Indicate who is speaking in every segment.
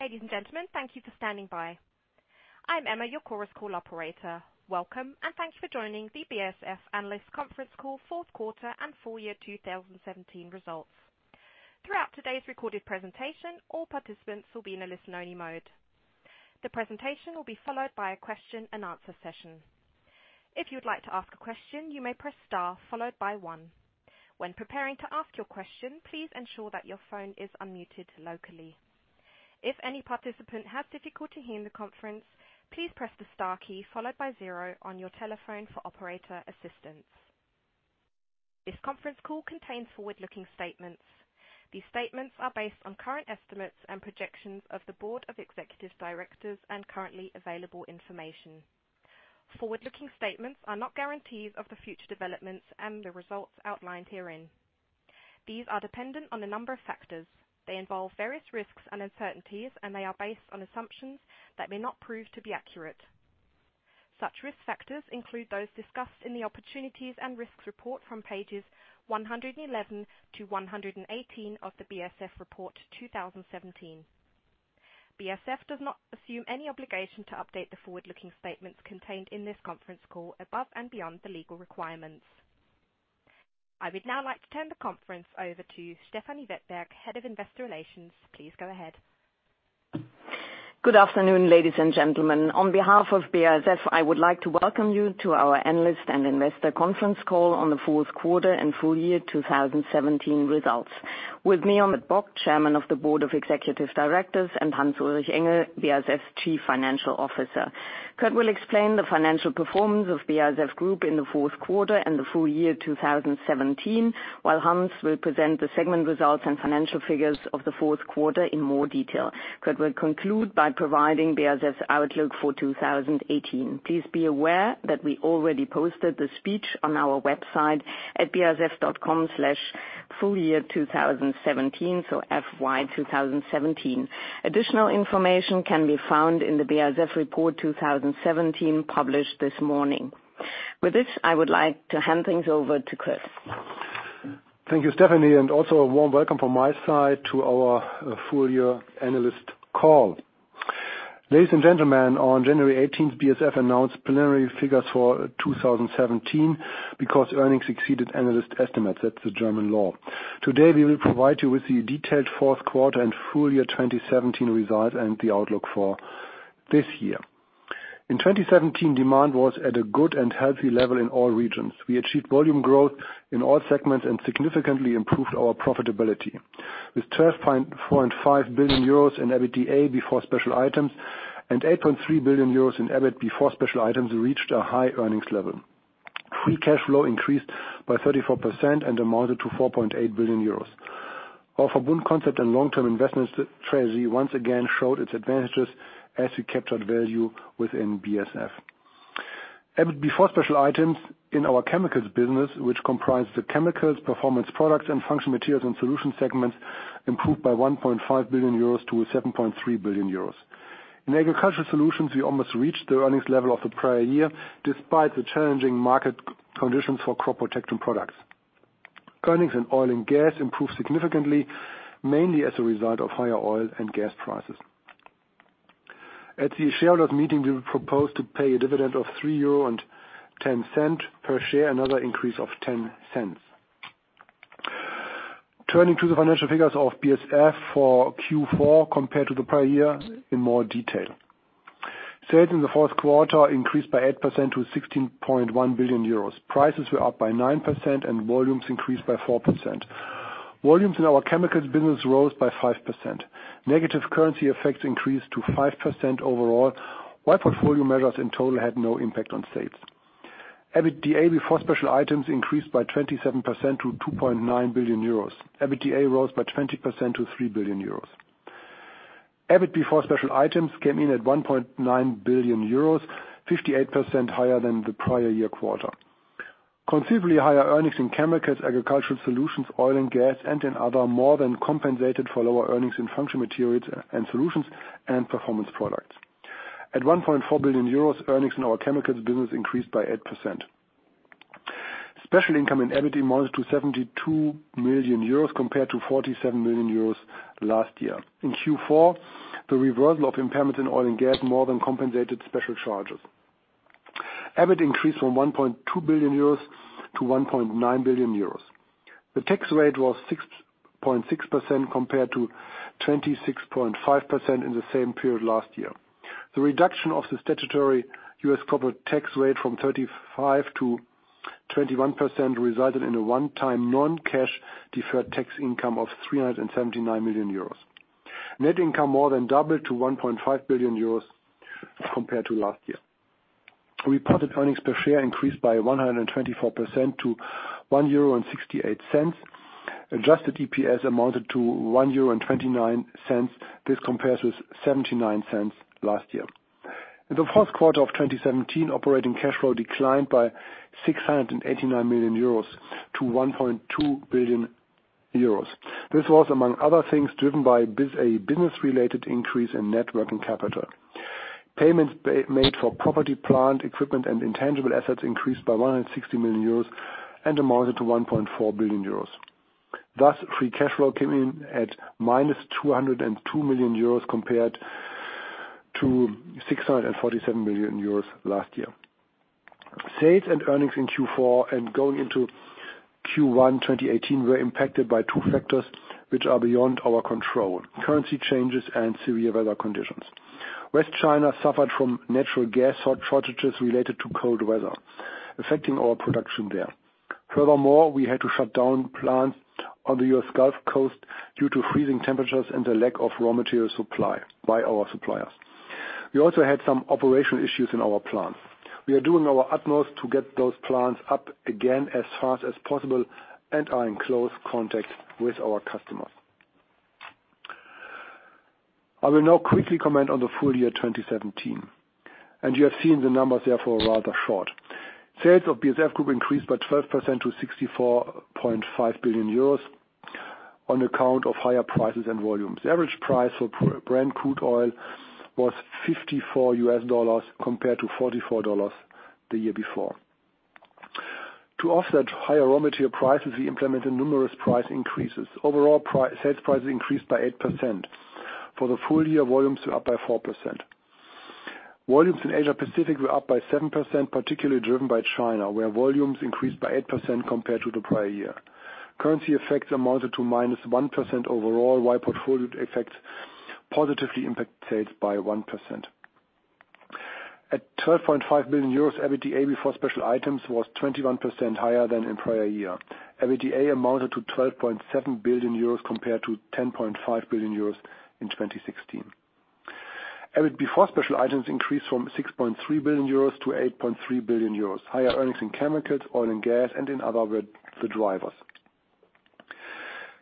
Speaker 1: Ladies and gentlemen, thank you for standing by. I'm Emma, your Chorus Call operator. Welcome, and thank you for joining the BASF analyst conference call fourth quarter and full year 2017 results. Throughout today's recorded presentation, all participants will be in a listen-only mode. The presentation will be followed by a question-and-answer session. If you'd like to ask a question, you may press star followed by one. When preparing to ask your question, please ensure that your phone is unmuted locally. If any participant has difficulty hearing the conference, please press the star key followed by zero on your telephone for operator assistance. This conference call contains forward-looking statements. These statements are based on current estimates and projections of the board of executive directors and currently available information. Forward-looking statements are not guarantees of the future developments and the results outlined herein. These are dependent on a number of factors. They involve various risks and uncertainties, and they are based on assumptions that may not prove to be accurate. Such risk factors include those discussed in the Opportunities and Risks report from pages 111-118 of the BASF report 2017. BASF does not assume any obligation to update the forward-looking statements contained in this conference call above and beyond the legal requirements. I would now like to turn the conference over to Stefanie Wettberg, Head of Investor Relations. Please go ahead.
Speaker 2: Good afternoon, ladies and gentlemen. On behalf of BASF, I would like to welcome you to our analyst and investor conference call on the fourth quarter and full year 2017 results. With me on the call is Kurt Bock, Chairman of the Board of Executive Directors, and Hans-Ulrich Engel, BASF Chief Financial Officer. Kurt will explain the financial performance of BASF Group in the fourth quarter and the full year 2017, while Hans will present the segment results and financial figures of the fourth quarter in more detail. Kurt will conclude by providing BASF's outlook for 2018. Please be aware that we already posted the speech on our website at basf.com/fullyear2017, so FY 2017. Additional information can be found in the BASF Report 2017, published this morning. With this, I would like to hand things over to Kurt.
Speaker 3: Thank you, Stephanie, and also a warm welcome from my side to our full year analyst call. Ladies and gentlemen, on January 18th, BASF announced preliminary figures for 2017 because earnings exceeded analyst estimates. That's the German law. Today, we will provide you with the detailed fourth quarter and full year 2017 results and the outlook for this year. In 2017, demand was at a good and healthy level in all regions. We achieved volume growth in all segments and significantly improved our profitability. With 12.45 billion euros in EBITDA before special items and 8.3 billion euros in EBIT before special items, we reached a high earnings level. Free cash flow increased by 34% and amounted to 4.8 billion euros. Our Verbund concept and long-term investments strategy once again showed its advantages as we captured value within BASF. EBIT before special items in our Chemicals business, which comprise the Chemicals, Performance Products, and Functional Materials and Solutions segments, improved by 1.5 billion euros - 7.3 billion euros. In Agricultural Solutions, we almost reached the earnings level of the prior year, despite the challenging market conditions for crop protection products. Earnings in Oil and Gas improved significantly, mainly as a result of higher oil and gas prices. At the shareholder meeting, we will propose to pay a dividend of 3.10 euro per share, another increase of 0.10. Turning to the financial figures of BASF for Q4 compared to the prior year in more detail. Sales in the fourth quarter increased by 8% to 16.1 billion euros. Prices were up by 9% and volumes increased by 4%. Volumes in our Chemicals business rose by 5%. Negative currency effects increased to 5% overall, while portfolio measures in total had no impact on sales. EBITDA before special items increased by 27% to 2.9 billion euros. EBITDA rose by 20% to 3 billion euros. EBIT before special items came in at 1.9 billion euros, 58% higher than the prior-year quarter. Considerably higher earnings in Chemicals, Agricultural Solutions, Oil & Gas, and in Other more than compensated for lower earnings in Functional Materials & Solutions and Performance Products. At 1.4 billion euros, earnings in our Chemicals business increased by 8%. Special income and EBITDA rose to 72 million euros compared to 47 million euros last year. In Q4, the reversal of impairment in oil and gas more than compensated special charges. EBIT increased from 1.2 billion euros - 1.9 billion euros. The tax rate was 6.6% compared to 26.5% in the same period last year. The reduction of the statutory US corporate tax rate from 35% - 21% resulted in a one-time non-cash deferred tax income of 379 million euros. Net income more than doubled to 1.5 billion euros compared to last year. Reported earnings per share increased by 124% to 1.68 euro. Adjusted EPS amounted to 1.29 euro. This compares with 0.79 last year. In the fourth quarter of 2017, operating cash flow declined by 689 million euros - 1.2 billion euros. This was, among other things, driven by a business-related increase in net working capital. Payments made for property, plant equipment and intangible assets increased by 160 million euros and amounted to 1.4 billion euros. Thus free cash flow came in at -202 million euros compared to 647 million euros last year. Sales and earnings in Q4 and going into Q1 2018 were impacted by two factors which are beyond our control, currency changes and severe weather conditions. West China suffered from natural gas shortages related to cold weather, affecting our production there. Furthermore, we had to shut down plants on the US Gulf Coast due to freezing temperatures and the lack of raw material supply by our suppliers. We also had some operational issues in our plants. We are doing our utmost to get those plants up again as fast as possible and are in close contact with our customers. I will now quickly comment on the full year 2017. You have seen the numbers, therefore rather short. Sales of BASF Group increased by 12% to 64.5 billion euros on account of higher prices and volumes. The average price for Brent crude oil was $54 compared to $44 the year before. To offset higher raw material prices, we implemented numerous price increases. Overall, sales prices increased by 8%. For the full year, volumes were up by 4%. Volumes in Asia Pacific were up by 7%, particularly driven by China, where volumes increased by 8% compared to the prior year. Currency effects amounted to -1% overall, while portfolio effects positively impact sales by 1%. At 12.5 billion euros, EBITDA before special items was 21% higher than in prior year. EBITDA amounted to 12.7 billion euros compared to 10.5 billion euros in 2016. EBIT before special items increased from 6.3 billion euros - 8.3 billion euros. Higher earnings in chemicals, oil and gas and in other were the drivers.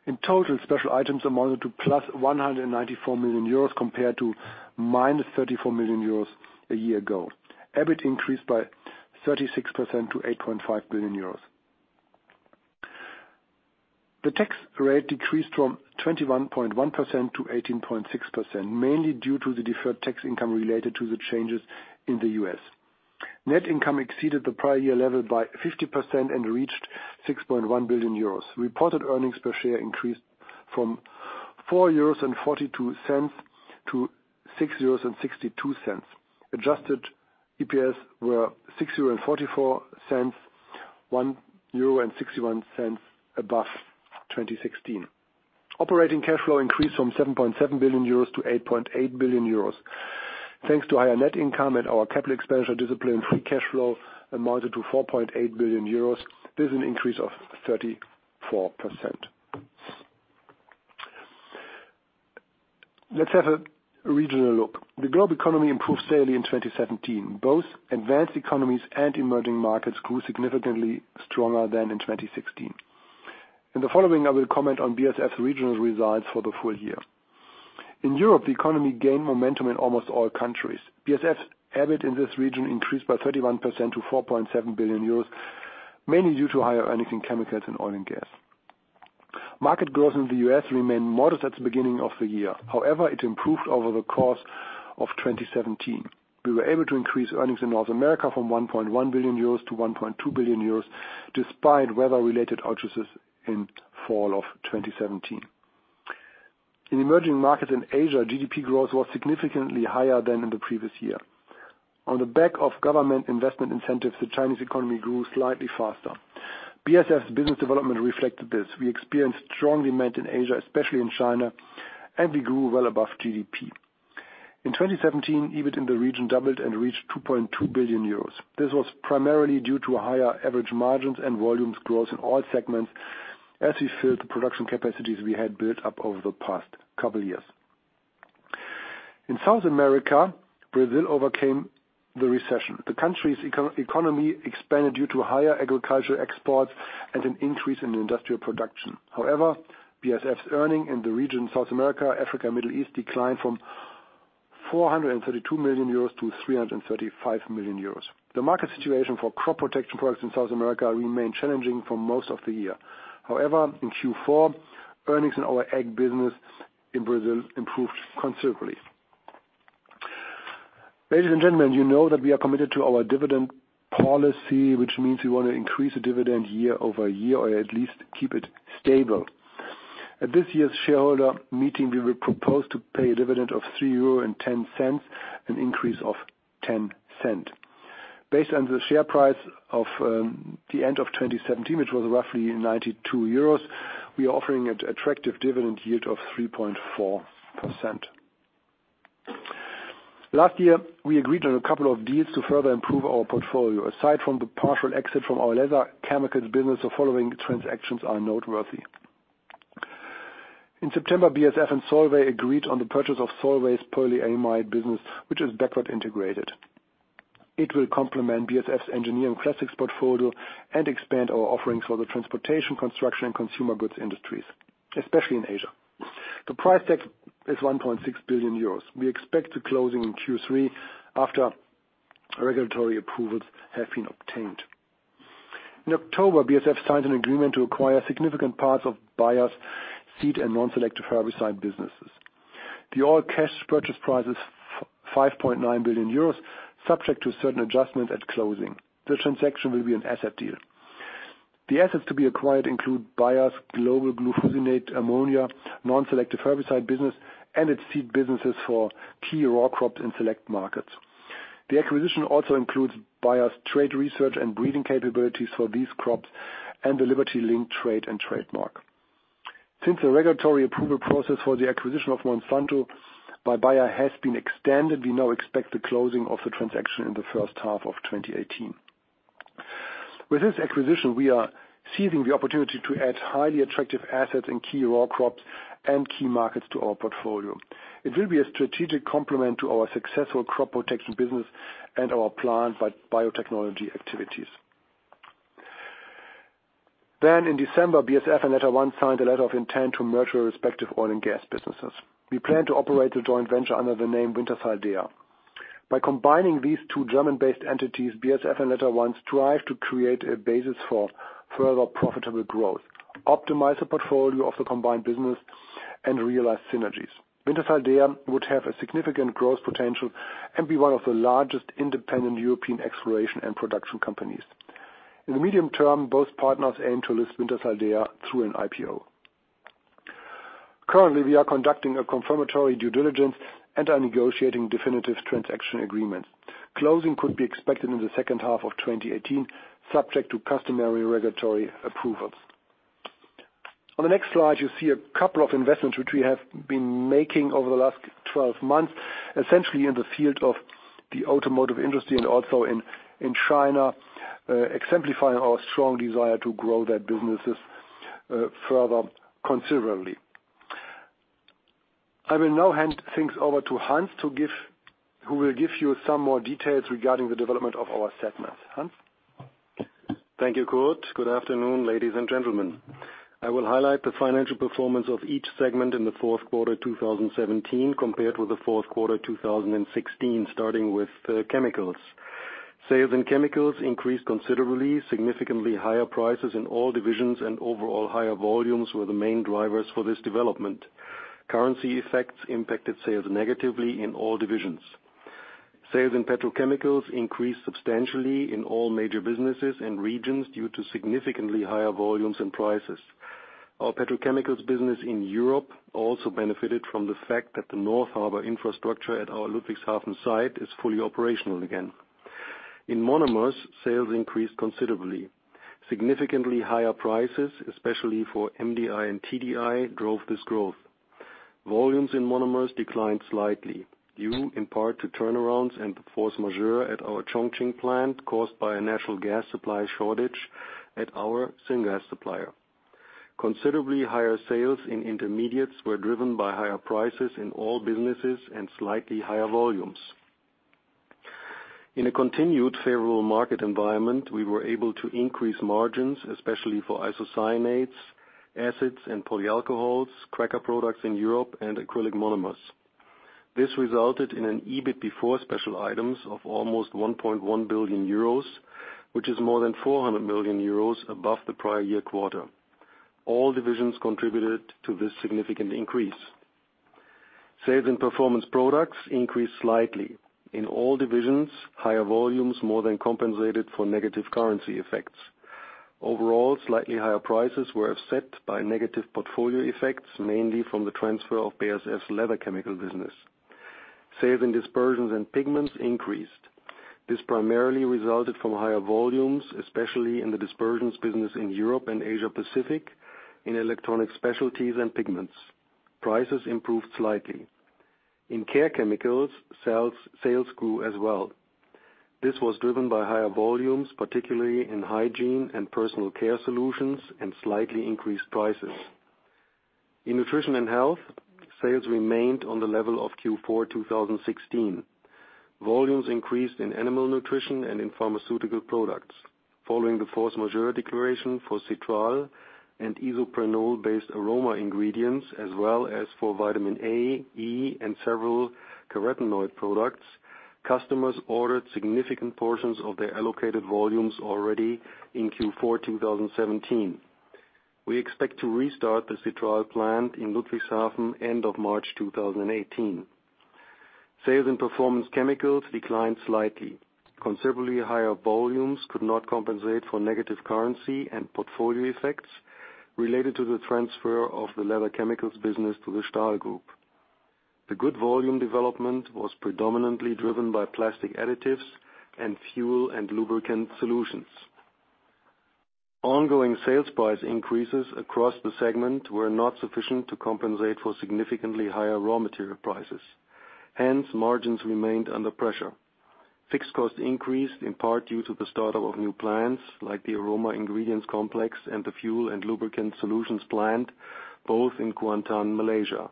Speaker 3: In total, special items amounted to +194 million euros compared to -34 million euros a year ago. EBIT increased by 36% to 8.5 billion euros. The tax rate decreased from 21.1% - 18.6%, mainly due to the deferred tax income related to the changes in the U.S. Net income exceeded the prior year level by 50% and reached 6.1 billion euros. Reported earnings per share increased from 4.42 euros - 6.62. Adjusted EPS were 6.44 euros, 1.61 euro above 2016. Operating cash flow increased from 7.7 billion euros - 8.8 billion euros. Thanks to higher net income and our capital expenditure discipline, free cash flow amounted to 4.8 billion euros. This is an increase of 34%. Let's have a regional look. The global economy improved steadily in 2017. Both advanced economies and emerging markets grew significantly stronger than in 2016. In the following, I will comment on BASF regional results for the full year. In Europe, the economy gained momentum in almost all countries. BASF EBIT in this region increased by 31% to 4.7 billion euros, mainly due to higher earnings in chemicals and oil and gas. Market growth in the U.S. remained modest at the beginning of the year. However, it improved over the course of 2017. We were able to increase earnings in North America from 1.1 billion euros - 1.2 billion euros, despite weather-related outages in fall of 2017. In emerging markets in Asia, GDP growth was significantly higher than in the previous year. On the back of government investment incentives, the Chinese economy grew slightly faster. BASF business development reflected this. We experienced strong demand in Asia, especially in China, and we grew well above GDP. In 2017, EBIT in the region doubled and reached 2.2 billion euros. This was primarily due to higher average margins and volumes growth in all segments as we filled the production capacities we had built up over the past couple years. In South America, Brazil overcame the recession. The country's economy expanded due to higher agricultural exports and an increase in industrial production. However, BASF's earnings in the region South America, Africa, Middle East declined from 432 million euros - 335 million euros. The market situation for crop protection products in South America remained challenging for most of the year. However, in Q4, earnings in our ag business in Brazil improved considerably. Ladies and gentlemen, you know that we are committed to our dividend policy, which means we want to increase the dividend year-over-year or at least keep it stable. At this year's shareholder meeting, we will propose to pay a dividend of 3.10 euro, an increase of 0.10. Based on the share price of the end of 2017, which was roughly 92 euros, we are offering an attractive dividend yield of 3.4%. Last year, we agreed on a couple of deals to further improve our portfolio. Aside from the partial exit from our leather chemicals business, the following transactions are noteworthy. In September, BASF and Solvay agreed on the purchase of Solvay's polyamide business, which is backward integrated. It will complement BASF's engineering plastics portfolio and expand our offerings for the transportation, construction, and consumer goods industries, especially in Asia. The price tag is 1.6 billion euros. We expect the closing in Q3 after regulatory approvals have been obtained. In October, BASF signed an agreement to acquire significant parts of Bayer's seed and non-selective herbicide businesses. The all-cash purchase price is 5.9 billion euros, subject to certain adjustments at closing. The transaction will be an asset deal. The assets to be acquired include Bayer's global glufosinate-ammonium non-selective herbicide business, and its seed businesses for key row crops in select markets. The acquisition also includes Bayer's trait research and breeding capabilities for these crops and the LibertyLink trait and trademark. Since the regulatory approval process for the acquisition of Monsanto by Bayer has been extended, we now expect the closing of the transaction in the first half of 2018. With this acquisition, we are seizing the opportunity to add highly attractive assets in key row crops and key markets to our portfolio. It will be a strategic complement to our successful crop protection business and our planned biotechnology activities. In December, BASF and LetterOne signed a letter of intent to merge their respective oil and gas businesses. We plan to operate the joint venture under the name Wintershall Dea. By combining these two German-based entities, BASF and LetterOne strive to create a basis for further profitable growth, optimize the portfolio of the combined business, and realize synergies. Wintershall Dea would have a significant growth potential and be one of the largest independent European exploration and production companies. In the medium term, both partners aim to list Wintershall Dea through an IPO. Currently, we are conducting a confirmatory due diligence and are negotiating definitive transaction agreements. Closing could be expected in the second half of 2018, subject to customary regulatory approvals. On the next slide, you see a couple of investments which we have been making over the last 12 months, essentially in the field of the automotive industry and also in China, exemplifying our strong desire to grow their businesses further considerably. I will now hand things over to Hans who will give you some more details regarding the development of our segments. Hans?
Speaker 4: Thank you, Kurt. Good afternoon, ladies and gentlemen. I will highlight the financial performance of each segment in the fourth quarter 2017 compared with the fourth quarter 2016, starting with chemicals. Sales in chemicals increased considerably. Significantly higher prices in all divisions and overall higher volumes were the main drivers for this development. Currency effects impacted sales negatively in all divisions. Sales in petrochemicals increased substantially in all major businesses and regions due to significantly higher volumes and prices. Our petrochemicals business in Europe also benefited from the fact that the North Harbor infrastructure at our Ludwigshafen site is fully operational again. In monomers, sales increased considerably. Significantly higher prices, especially for MDI and TDI, drove this growth. Volumes in monomers declined slightly due in part to turnarounds and force majeure at our Chongqing plant caused by a natural gas supply shortage at our syngas supplier. Considerably higher sales in intermediates were driven by higher prices in all businesses and slightly higher volumes. In a continued favorable market environment, we were able to increase margins, especially for isocyanates, acids and polyalcohols, cracker products in Europe, and acrylic monomers. This resulted in an EBIT before special items of almost 1.1 billion euros, which is more than 400 million euros above the prior year quarter. All divisions contributed to this significant increase. Sales in performance products increased slightly. In all divisions, higher volumes more than compensated for negative currency effects. Overall, slightly higher prices were offset by negative portfolio effects, mainly from the transfer of BASF's leather chemical business. Sales in dispersions and pigments increased. This primarily resulted from higher volumes, especially in the dispersions business in Europe and Asia Pacific, in electronic specialties and pigments. Prices improved slightly. In care chemicals, sales grew as well. This was driven by higher volumes, particularly in hygiene and personal care solutions, and slightly increased prices. In nutrition and health, sales remained on the level of Q4 2016. Volumes increased in animal nutrition and in pharmaceutical products. Following the force majeure declaration for citral and isoprene-based aroma ingredients, as well as for vitamin A, E, and several carotenoid products, customers ordered significant portions of their allocated volumes already in Q4 2017. We expect to restart the citral plant in Ludwigshafen end of March 2018. Sales in performance chemicals declined slightly. Considerably higher volumes could not compensate for negative currency and portfolio effects related to the transfer of the leather chemicals business to the Stahl Group. The good volume development was predominantly driven by plastic additives and fuel and lubricant solutions. Ongoing sales price increases across the segment were not sufficient to compensate for significantly higher raw material prices, hence margins remained under pressure. Fixed costs increased in part due to the startup of new plants, like the aroma ingredients complex and the fuel and lubricant solutions plant, both in Kuantan, Malaysia.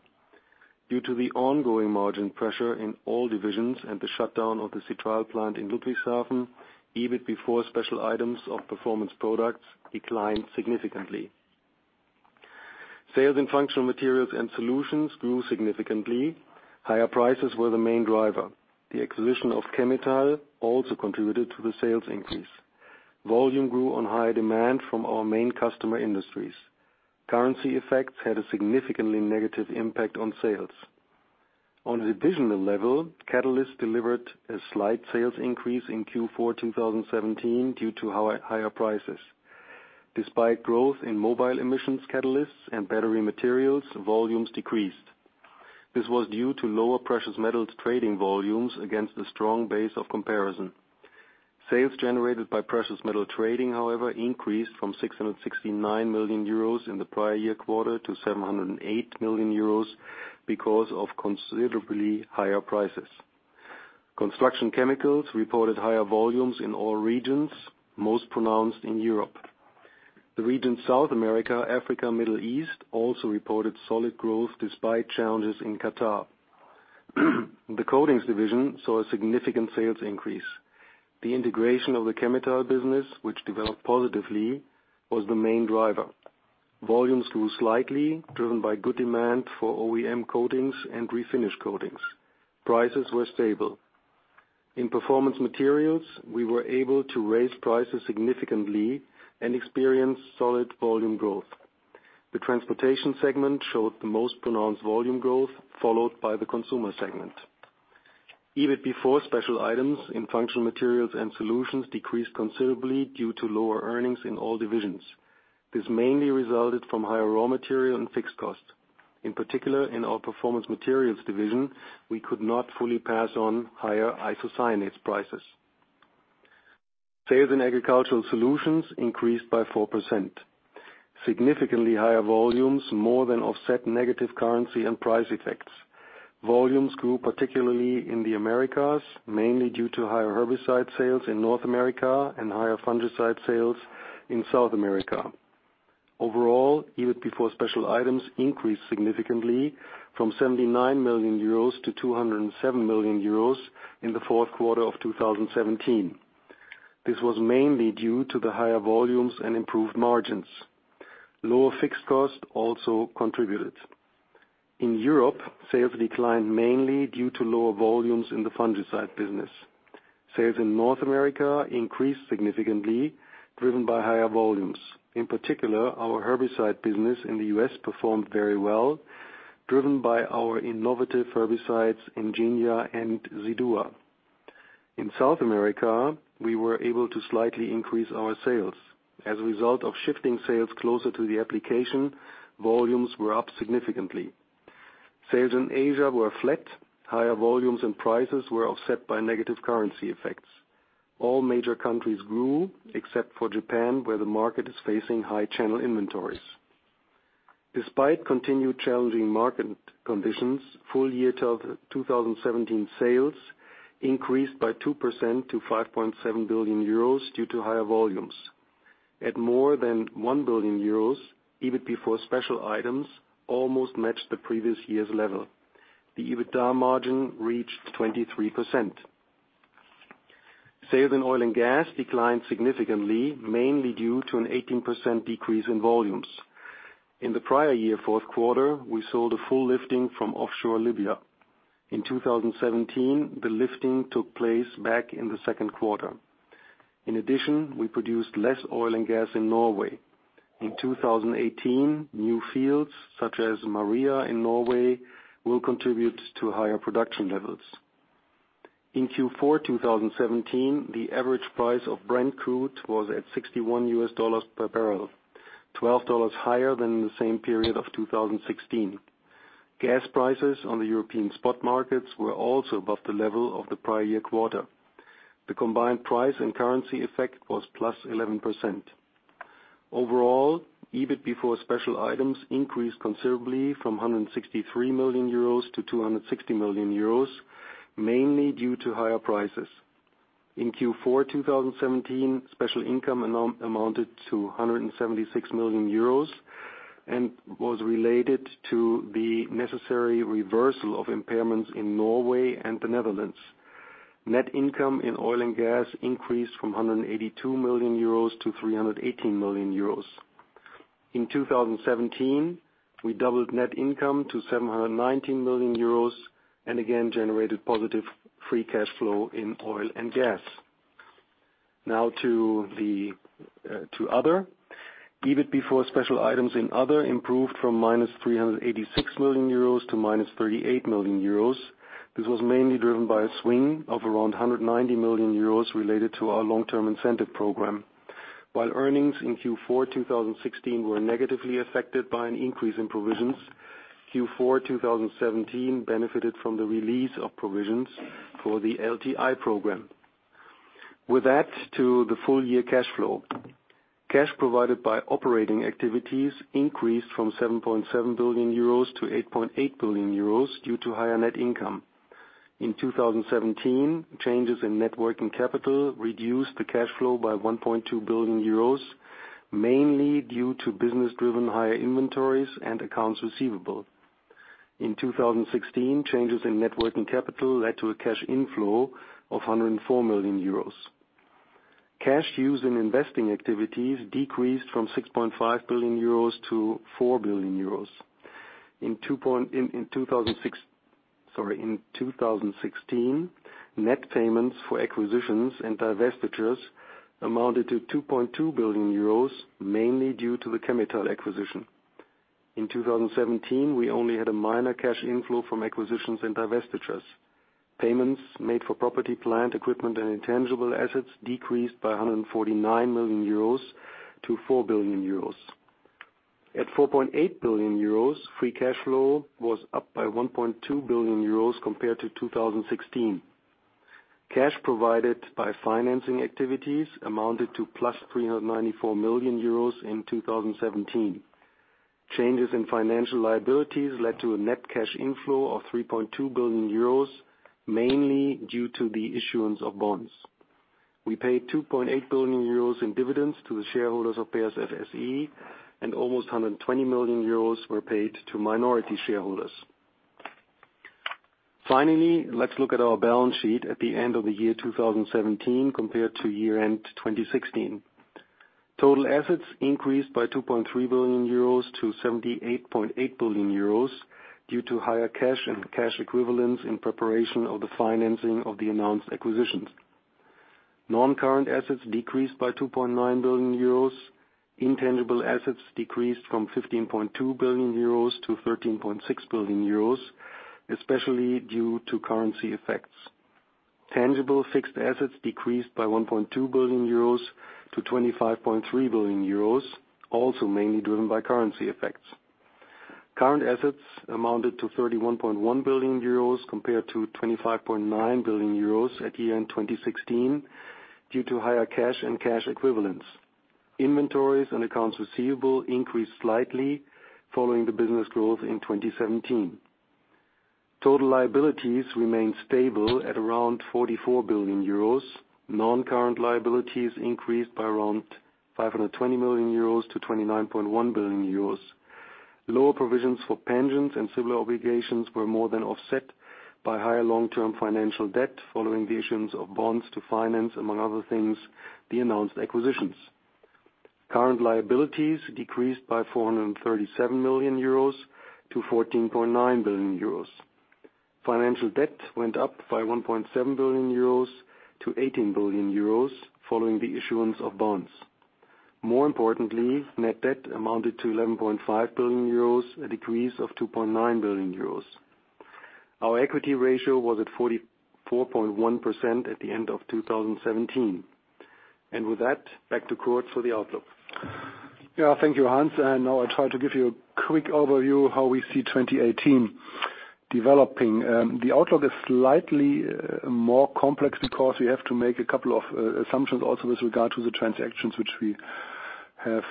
Speaker 4: Due to the ongoing margin pressure in all divisions and the shutdown of the citral plant in Ludwigshafen, EBIT before special items of performance products declined significantly. Sales in functional materials and solutions grew significantly. Higher prices were the main driver. The acquisition of Chemetall also contributed to the sales increase. Volume grew on higher demand from our main customer industries. Currency effects had a significantly negative impact on sales. On a divisional level, Catalysts delivered a slight sales increase in Q1 2017 due to higher prices. Despite growth in mobile emissions catalysts and battery materials, volumes decreased. This was due to lower precious metals trading volumes against the strong base of comparison. Sales generated by precious metal trading, however, increased from 669 million euros in the prior year quarter to 708 million euros because of considerably higher prices. Construction Chemicals reported higher volumes in all regions, most pronounced in Europe. The region South America, Africa, Middle East also reported solid growth despite challenges in Qatar. The Coatings Division saw a significant sales increase. The integration of the Chemetall business, which developed positively, was the main driver. Volumes grew slightly, driven by good demand for OEM coatings and refinish coatings. Prices were stable. In Performance Materials, we were able to raise prices significantly and experience solid volume growth. The transportation segment showed the most pronounced volume growth, followed by the consumer segment. EBIT before special items in Functional Materials and Solutions decreased considerably due to lower earnings in all divisions. This mainly resulted from higher raw material and fixed costs. In particular, in our Performance Materials division, we could not fully pass on higher isocyanates prices. Sales in Agricultural Solutions increased by 4%. Significantly higher volumes more than offset negative currency and price effects. Volumes grew, particularly in the Americas, mainly due to higher herbicide sales in North America and higher fungicide sales in South America. Overall, EBIT before special items increased significantly from 79 million euros - 207 million euros in the fourth quarter of 2017. This was mainly due to the higher volumes and improved margins. Lower fixed costs also contributed. In Europe, sales declined mainly due to lower volumes in the fungicide business. Sales in North America increased significantly, driven by higher volumes. In particular, our herbicide business in the U.S. performed very well, driven by our innovative herbicides, Engenia and Zidua. In South America, we were able to slightly increase our sales. As a result of shifting sales closer to the application, volumes were up significantly. Sales in Asia were flat. Higher volumes and prices were offset by negative currency effects. All major countries grew, except for Japan, where the market is facing high channel inventories. Despite continued challenging market conditions, full year 2017 sales increased by 2% to 5.7 billion euros due to higher volumes. At more than 1 billion euros, EBIT before special items almost matched the previous year's level. The EBITDA margin reached 23%. Sales in oil and gas declined significantly, mainly due to an 18% decrease in volumes. In the prior year fourth quarter, we sold a full lifting from offshore Libya. In 2017, the lifting took place back in the second quarter. In addition, we produced less oil and gas in Norway. In 2018, new fields such as Maria in Norway will contribute to higher production levels. In Q4 2017, the average price of Brent crude was at $61 per barrel, $12 higher than the same period of 2016. Gas prices on the European spot markets were also above the level of the prior year quarter. The combined price and currency effect was +11%. Overall, EBIT before special items increased considerably from 163 million euros - 260 million euros, mainly due to higher prices. In Q4 2017, special income amounted to 176 million euros and was related to the necessary reversal of impairments in Norway and the Netherlands. Net income in oil and gas increased from 182 million euros - 318 million euros. In 2017, we doubled net income to 719 million euros and again generated positive free cash flow in oil and gas. Now to other. EBIT before special items in other improved from -386 million euros to -38 million euros. This was mainly driven by a swing of around 190 million euros related to our long-term incentive program. While earnings in Q4 2016 were negatively affected by an increase in provisions, Q4 2017 benefited from the release of provisions for the LTI program. With that to the full-year cash flow. Cash provided by operating activities increased from 7.7 billion euros - 8.8 billion euros due to higher net income. In 2017, changes in net working capital reduced the cash flow by 1.2 billion euros, mainly due to business-driven higher inventories and accounts receivable. In 2016, changes in net working capital led to a cash inflow of 104 million euros. Cash use in investing activities decreased from 6.5 billion euros - 4 billion euros. In 2016, net payments for acquisitions and divestitures amounted to 2.2 billion euros, mainly due to the Chemetall acquisition. In 2017, we only had a minor cash inflow from acquisitions and divestitures. Payments made for property, plant, equipment, and intangible assets decreased by 149 million euros - 4 billion euros. At 4.8 billion euros, free cash flow was up by 1.2 billion euros compared to 2016. Cash provided by financing activities amounted to plus 394 million euros in 2017. Changes in financial liabilities led to a net cash inflow of 3.2 billion euros, mainly due to the issuance of bonds. We paid 2.8 billion euros in dividends to the shareholders of BASF SE, and almost 120 million euros were paid to minority shareholders. Finally, let's look at our balance sheet at the end of the year 2017 compared to year-end 2016. Total assets increased by 2.3 billion euros - 78.8 billion euros due to higher cash and cash equivalents in preparation of the financing of the announced acquisitions. Non-current assets decreased by 2.9 billion euros. Intangible assets decreased from 15.2 billion euros - 13.6 billion euros, especially due to currency effects. Tangible fixed assets decreased by 1.2 billion euros - 25.3 billion euros, also mainly driven by currency effects. Current assets amounted to 31.1 billion euros compared to 25.9 billion euros at year-end 2016 due to higher cash and cash equivalents. Inventories and accounts receivable increased slightly following the business growth in 2017. Total liabilities remained stable at around 44 billion euros. Non-current liabilities increased by around 520 million euros - 29.1 billion euros. Lower provisions for pensions and civil obligations were more than offset by higher long-term financial debt following the issuance of bonds to finance, among other things, the announced acquisitions. Current liabilities decreased by 437 million euros - 14.9 billion euros. Financial debt went up by 1.7 billion euros - 18 billion euros following the issuance of bonds. More importantly, net debt amounted to 11.5 billion euros, a decrease of 2.9 billion euros. Our equity ratio was at 44.1% at the end of 2017. With that, back to Kurt for the outlook.
Speaker 3: Yeah, thank you, Hans. Now I try to give you a quick overview how we see 2018 developing. The outlook is slightly more complex because we have to make a couple of assumptions also with regard to the transactions which we have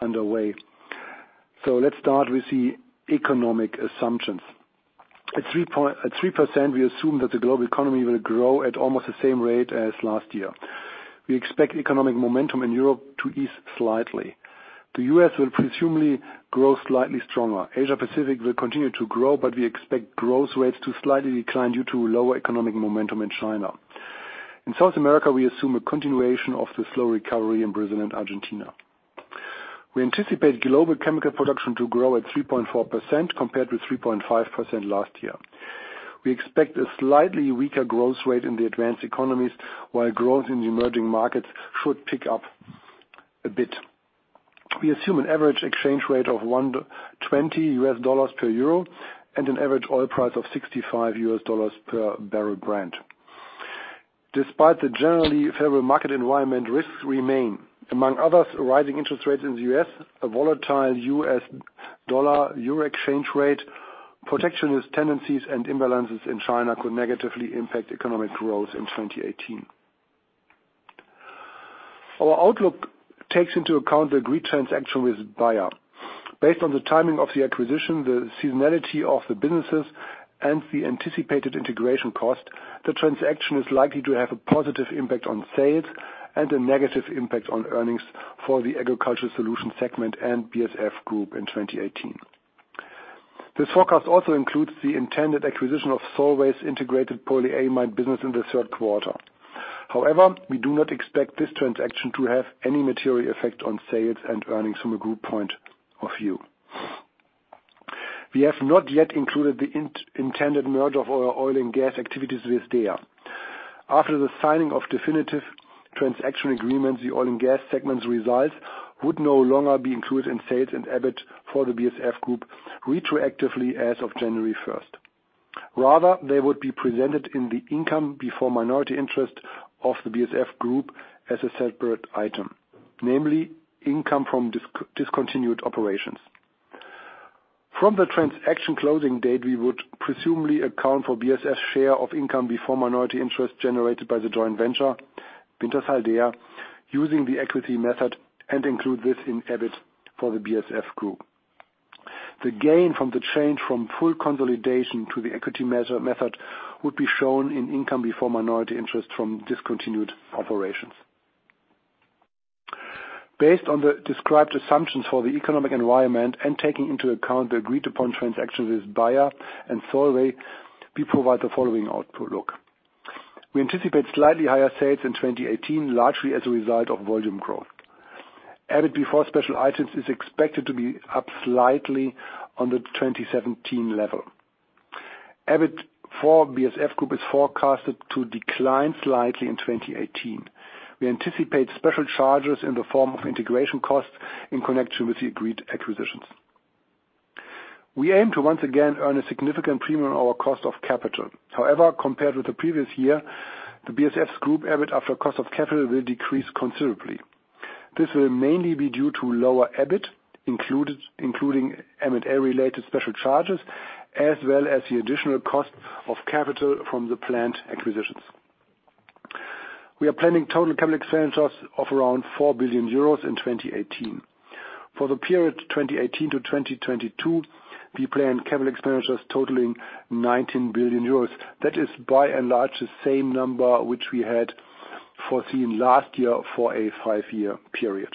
Speaker 3: underway. Let's start with the economic assumptions. At 3%, we assume that the global economy will grow at almost the same rate as last year. We expect economic momentum in Europe to ease slightly. The U.S. will presumably grow slightly stronger. Asia Pacific will continue to grow, but we expect growth rates to slightly decline due to lower economic momentum in China. In South America, we assume a continuation of the slow recovery in Brazil and Argentina. We anticipate global chemical production to grow at 3.4% compared with 3.5% last year. We expect a slightly weaker growth rate in the advanced economies, while growth in the emerging markets should pick up a bit. We assume an average exchange rate of $1.20 per euro and an average oil price of $65 per barrel Brent. Despite the generally favorable market environment, risks remain. Among others, rising interest rates in the U.S., a volatile US dollar/euro exchange rate, protectionist tendencies, and imbalances in China could negatively impact economic growth in 2018. Our outlook takes into account the agreed transaction with Bayer. Based on the timing of the acquisition, the seasonality of the businesses, and the anticipated integration cost, the transaction is likely to have a positive impact on sales and a negative impact on earnings for the Agricultural Solution segment and BASF Group in 2018. This forecast also includes the intended acquisition of Solvay's integrated polyamide business in the third quarter. However, we do not expect this transaction to have any material effect on sales and earnings from a group point of view. We have not yet included the intended merger of our oil and gas activities with DEA. After the signing of definitive transaction agreements, the oil and gas segment's results would no longer be included in sales and EBIT for the BASF Group retroactively as of January first. Rather, they would be presented in the income before minority interest of the BASF Group as a separate item, namely income from discontinued operations. From the transaction closing date, we would presumably account for BASF's share of income before minority interest generated by the joint venture, Wintershall Dea, using the equity method and include this in EBIT for the BASF Group. The gain from the change from full consolidation to the equity method would be shown in income before minority interest from discontinued operations. Based on the described assumptions for the economic environment and taking into account the agreed upon transactions with Bayer and Solvay, we provide the following outlook. We anticipate slightly higher sales in 2018, largely as a result of volume growth. EBIT before special items is expected to be up slightly on the 2017 level. EBIT for BASF Group is forecasted to decline slightly in 2018. We anticipate special charges in the form of integration costs in connection with the agreed acquisitions. We aim to once again earn a significant premium on our cost of capital. However, compared with the previous year, the BASF Group EBIT after cost of capital will decrease considerably. This will mainly be due to lower EBIT, including M&A-related special charges, as well as the additional cost of capital from the planned acquisitions. We are planning total capital expenditures of around 4 billion euros in 2018. For the period 2018 - 2022, we plan capital expenditures totaling 19 billion euros. That is by and large the same number which we had foreseen last year for a five-year period.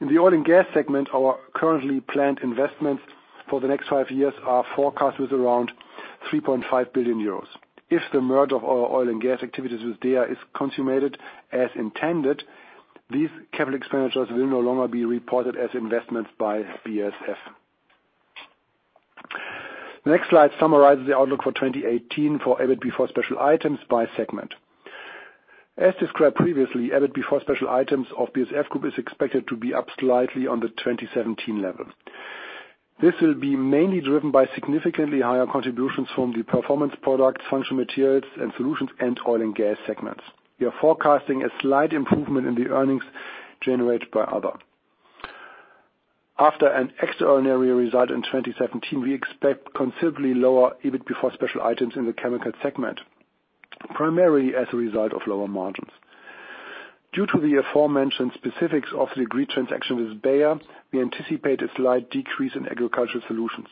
Speaker 3: In the Oil and Gas segment, our currently planned investments for the next five years are forecast with around 3.5 billion euros. If the merger of our oil and gas activities with DEA is consummated as intended, these capital expenditures will no longer be reported as investments by BASF. The next slide summarizes the outlook for 2018 for EBIT before special items by segment. As described previously, EBIT before special items of BASF Group is expected to be up slightly on the 2017 level. This will be mainly driven by significantly higher contributions from the Performance Products, Functional Materials and Solutions, and Oil and Gas segments. We are forecasting a slight improvement in the earnings generated by Other. After an extraordinary result in 2017, we expect considerably lower EBIT before special items in the Chemicals segment, primarily as a result of lower margins. Due to the aforementioned specifics of the agreed transaction with Bayer, we anticipate a slight decrease in Agricultural Solutions.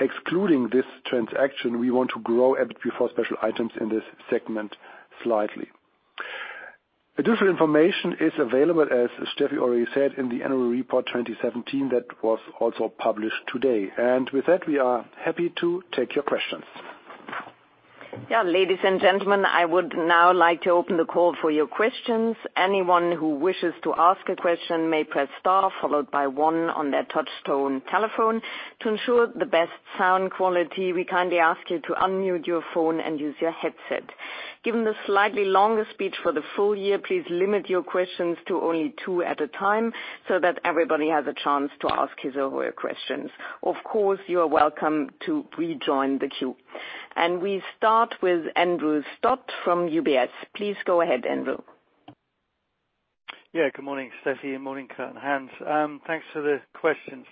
Speaker 3: Excluding this transaction, we want to grow EBIT before special items in this segment slightly. Additional information is available, as Stefanie already said, in the annual report 2017 that was also published today. With that, we are happy to take your questions.
Speaker 2: Yeah, ladies and gentlemen, I would now like to open the call for your questions. Anyone who wishes to ask a question may press star followed by one on their touchtone telephone. To ensure the best sound quality, we kindly ask you to unmute your phone and use your headset. Given the slightly longer speech for the full year, please limit your questions to only two at a time so that everybody has a chance to ask his or her questions. Of course, you are welcome to rejoin the queue. We start with Andrew Stott from UBS. Please go ahead, Andrew.
Speaker 5: Yeah, good morning, Stefanie, and morning, Kurt and Hans. Thanks for the questions.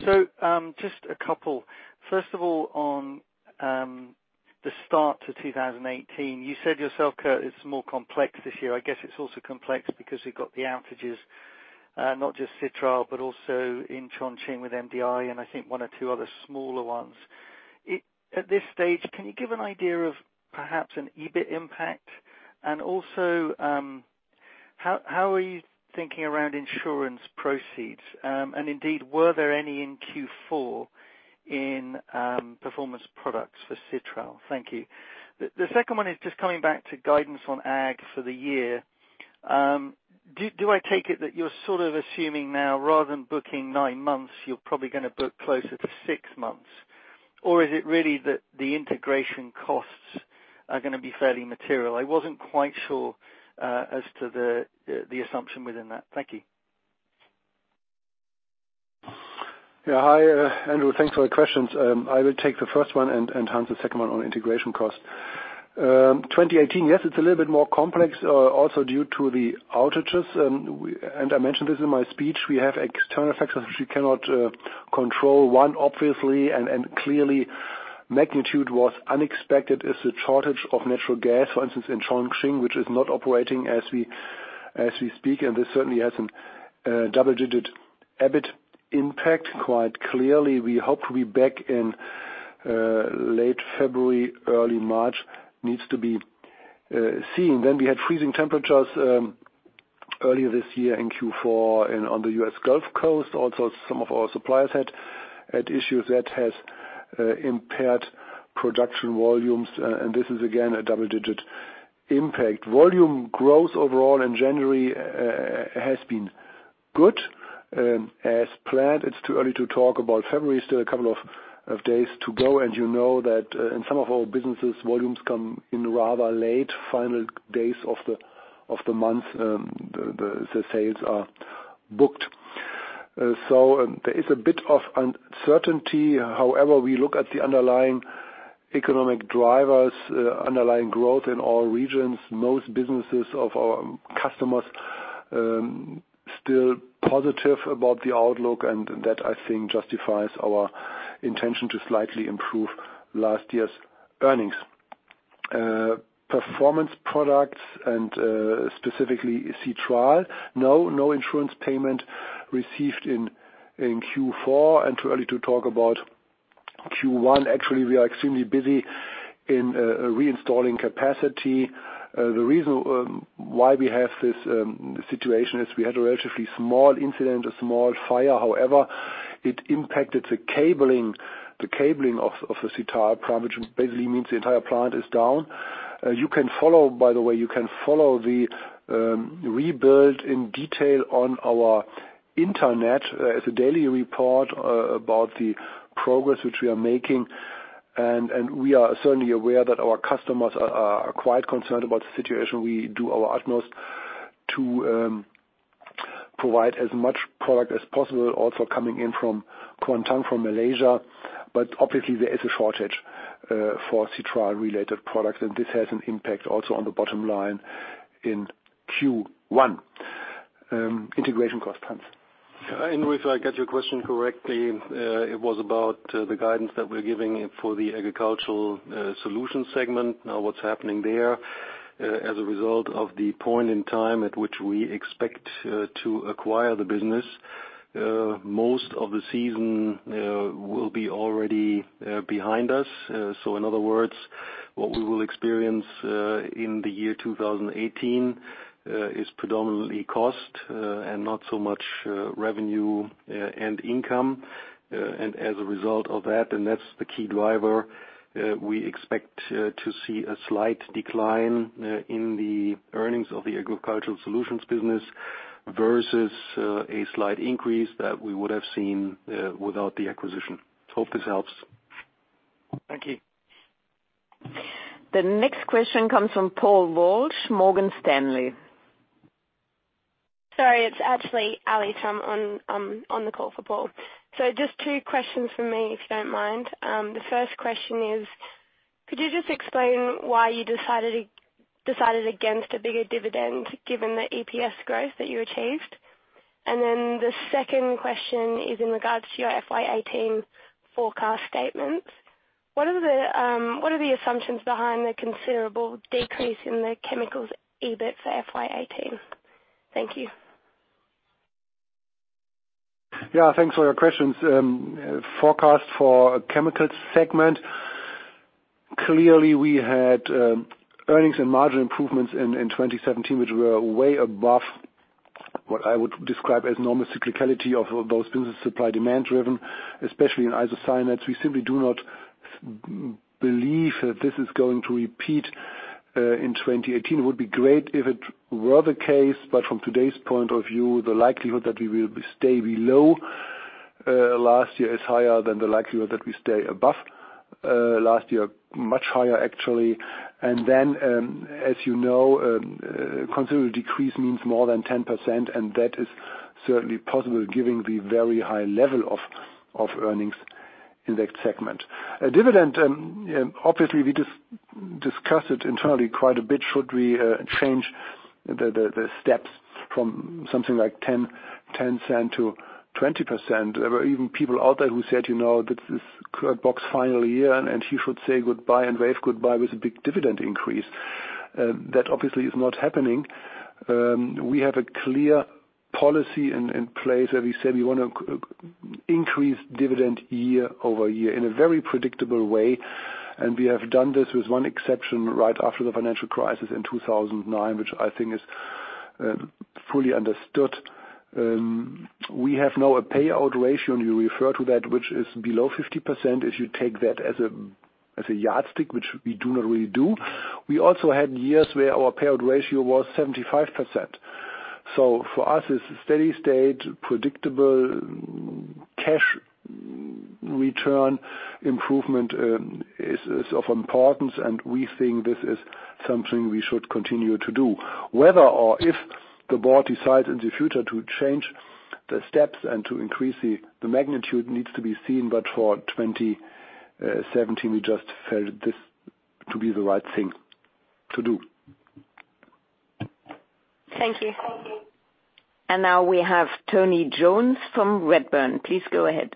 Speaker 5: Just a couple. First of all, on the start to 2018, you said yourself, Kurt, it's more complex this year. I guess it's also complex because we've got the outages, not just citral, but also in Chongqing with MDI, and I think one or two other smaller ones. At this stage, can you give an idea of perhaps an EBIT impact? Also, how are you thinking around insurance proceeds? Indeed, were there any in Q4 in performance products for citral? Thank you. The second one is just coming back to guidance on ag for the year. Do I take it that you're sort of assuming now rather than booking nine months, you're probably gonna book closer to six months? Is it really that the integration costs are gonna be fairly material? I wasn't quite sure as to the assumption within that. Thank you.
Speaker 3: Yeah. Hi, Andrew. Thanks for the questions. I will take the first one, and Hans, the second one on integration costs. 2018, yes, it's a little bit more complex, also due to the outages, and I mentioned this in my speech, we have external factors which we cannot control. One, obviously and clearly magnitude was unexpected is the shortage of natural gas, for instance, in Chongqing, which is not operating as we speak, and this certainly has a double-digit EBIT impact quite clearly. We hope to be back in late February, early March, needs to be seen. Then we had freezing temperatures earlier this year in Q4 and on the US Gulf Coast. Also, some of our suppliers had issues that has impaired production volumes, and this is again a double-digit impact. Volume growth overall in January has been good, as planned. It's too early to talk about February, still a couple of days to go, and you know that in some of our businesses, volumes come in rather late final days of the month, the sales are booked. So there is a bit of uncertainty. However, we look at the underlying economic drivers, underlying growth in all regions, most businesses of our customers, still positive about the outlook, and that I think justifies our intention to slightly improve last year's earnings. Performance Products and specifically citral, no insurance payment received in Q4 and too early to talk about Q1, actually, we are extremely busy in reinstalling capacity. The reason why we have this situation is we had a relatively small incident, a small fire. However, it impacted the cabling of the citral plant, which basically means the entire plant is down. By the way, you can follow the rebuild in detail on our internet. There's a daily report about the progress which we are making. We are certainly aware that our customers are quite concerned about the situation. We do our utmost to provide as much product as possible also coming in from Kuantan, from Malaysia. But obviously there is a shortage for citral-related products, and this has an impact also on the bottom line in Q1. Integration cost plans.
Speaker 4: If I get your question correctly, it was about the guidance that we're giving for the Agricultural Solutions segment. Now, what's happening there, as a result of the point in time at which we expect to acquire the business, most of the season will be already behind us. In other words, what we will experience in the year 2018 is predominantly cost and not so much revenue and income. As a result of that, and that's the key driver, we expect to see a slight decline in the earnings of the Agricultural Solutions business versus a slight increase that we would have seen without the acquisition. I hope this helps.
Speaker 5: Thank you.
Speaker 2: The next question comes from Paul Walsh, Morgan Stanley.
Speaker 6: Sorry, it's actually Alix Chosson on the call for Paul. Just two questions from me, if you don't mind. The first question is: Could you just explain why you decided against a bigger dividend given the EPS growth that you achieved? Then the second question is in regards to your FY 2018 forecast statements. What are the assumptions behind the considerable decrease in the Chemicals EBIT for FY 2018? Thank you.
Speaker 3: Yeah, thanks for your questions. Forecast for Chemicals segment, clearly we had earnings and margin improvements in 2017, which were way above what I would describe as normal cyclicality of those business supply, demand-driven, especially in isocyanates. We simply do not believe that this is going to repeat in 2018. It would be great if it were the case, but from today's point of view, the likelihood that we will stay below last year is higher than the likelihood that we stay above last year, much higher, actually. As you know, a considerable decrease means more than 10%, and that is certainly possible given the very high level of earnings in that segment. A dividend, obviously we discussed it internally quite a bit. Should we change the steps from something like 0.10 to 20%? There were even people out there who said, you know, that this is Kurt Bock's final year, and he should say goodbye and wave goodbye with a big dividend increase. That obviously is not happening. We have a clear policy in place that we said we wanna increase dividend year-over-year in a very predictable way. We have done this with one exception right after the financial crisis in 2009, which I think is fully understood. We have now a payout ratio, and you refer to that, which is below 50%, if you take that as a yardstick, which we do not really do. We also had years where our payout ratio was 75%. For us, it's a steady-state, predictable cash return improvement is of importance, and we think this is something we should continue to do. Whether or if the board decides in the future to change the steps and to increase the magnitude needs to be seen, but for 2017, we just felt this to be the right thing to do.
Speaker 6: Thank you.
Speaker 2: Now we have Tony Jones from Redburn. Please go ahead.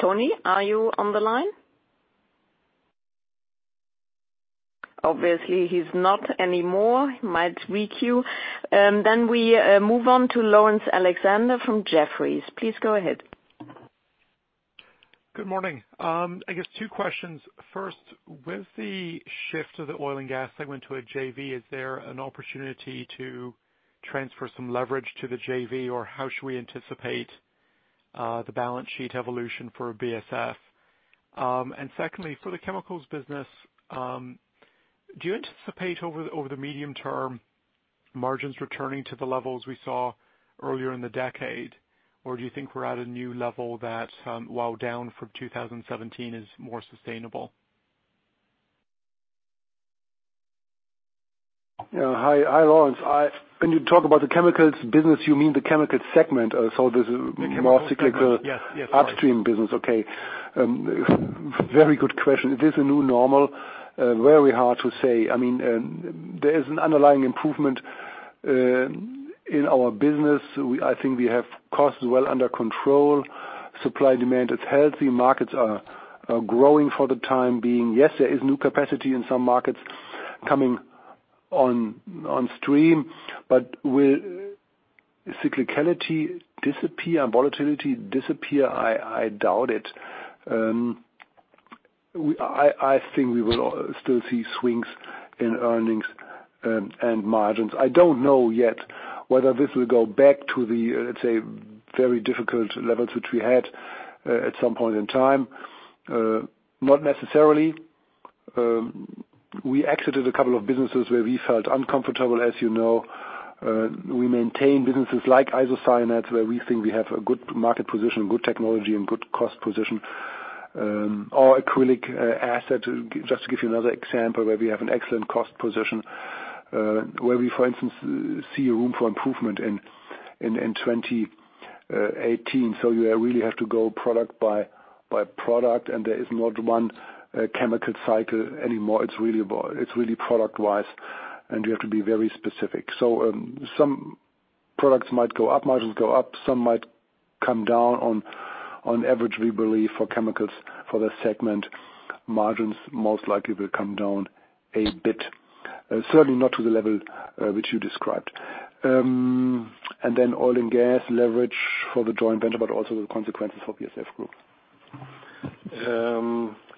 Speaker 2: Tony, are you on the line? Obviously, he's not anymore. Might re-queue. We move on to Laurence Alexander from Jefferies. Please go ahead.
Speaker 7: Good morning. I guess two questions. First, with the shift of the oil and gas segment to a JV, is there an opportunity to transfer some leverage to the JV, or how should we anticipate the balance sheet evolution for BASF? Secondly, for the chemicals business, do you anticipate over the medium term margins returning to the levels we saw earlier in the decade? Or do you think we're at a new level that, while down from 2017, is more sustainable?
Speaker 3: Yeah. Hi. Hi Laurence. When you talk about the Chemicals business, you mean the Chemicals segment? The more cyclical-
Speaker 7: Yes, yes. Sorry.
Speaker 3: Upstream business. Okay. Very good question. Is this a new normal? Very hard to say. I mean, there is an underlying improvement. In our business, I think we have costs well under control. Supply, demand is healthy. Markets are growing for the time being. Yes, there is new capacity in some markets coming on stream, but will cyclicality disappear and volatility disappear? I doubt it. I think we will still see swings in earnings and margins. I don't know yet whether this will go back to the, let's say, very difficult levels which we had at some point in time. Not necessarily. We exited a couple of businesses where we felt uncomfortable, as you know. We maintain businesses like isocyanates, where we think we have a good market position, good technology and good cost position. Our acrylic asset, just to give you another example, where we have an excellent cost position, where we, for instance, see room for improvement in 2018. You really have to go product by product, and there is not one chemical cycle anymore. It's really product-wise, and you have to be very specific. Some products might go up, margins go up, some might come down. On average, we believe for chemicals, for the segment, margins most likely will come down a bit. Certainly not to the level which you described. Then oil and gas leverage for the joint venture, but also the consequences for BASF Group.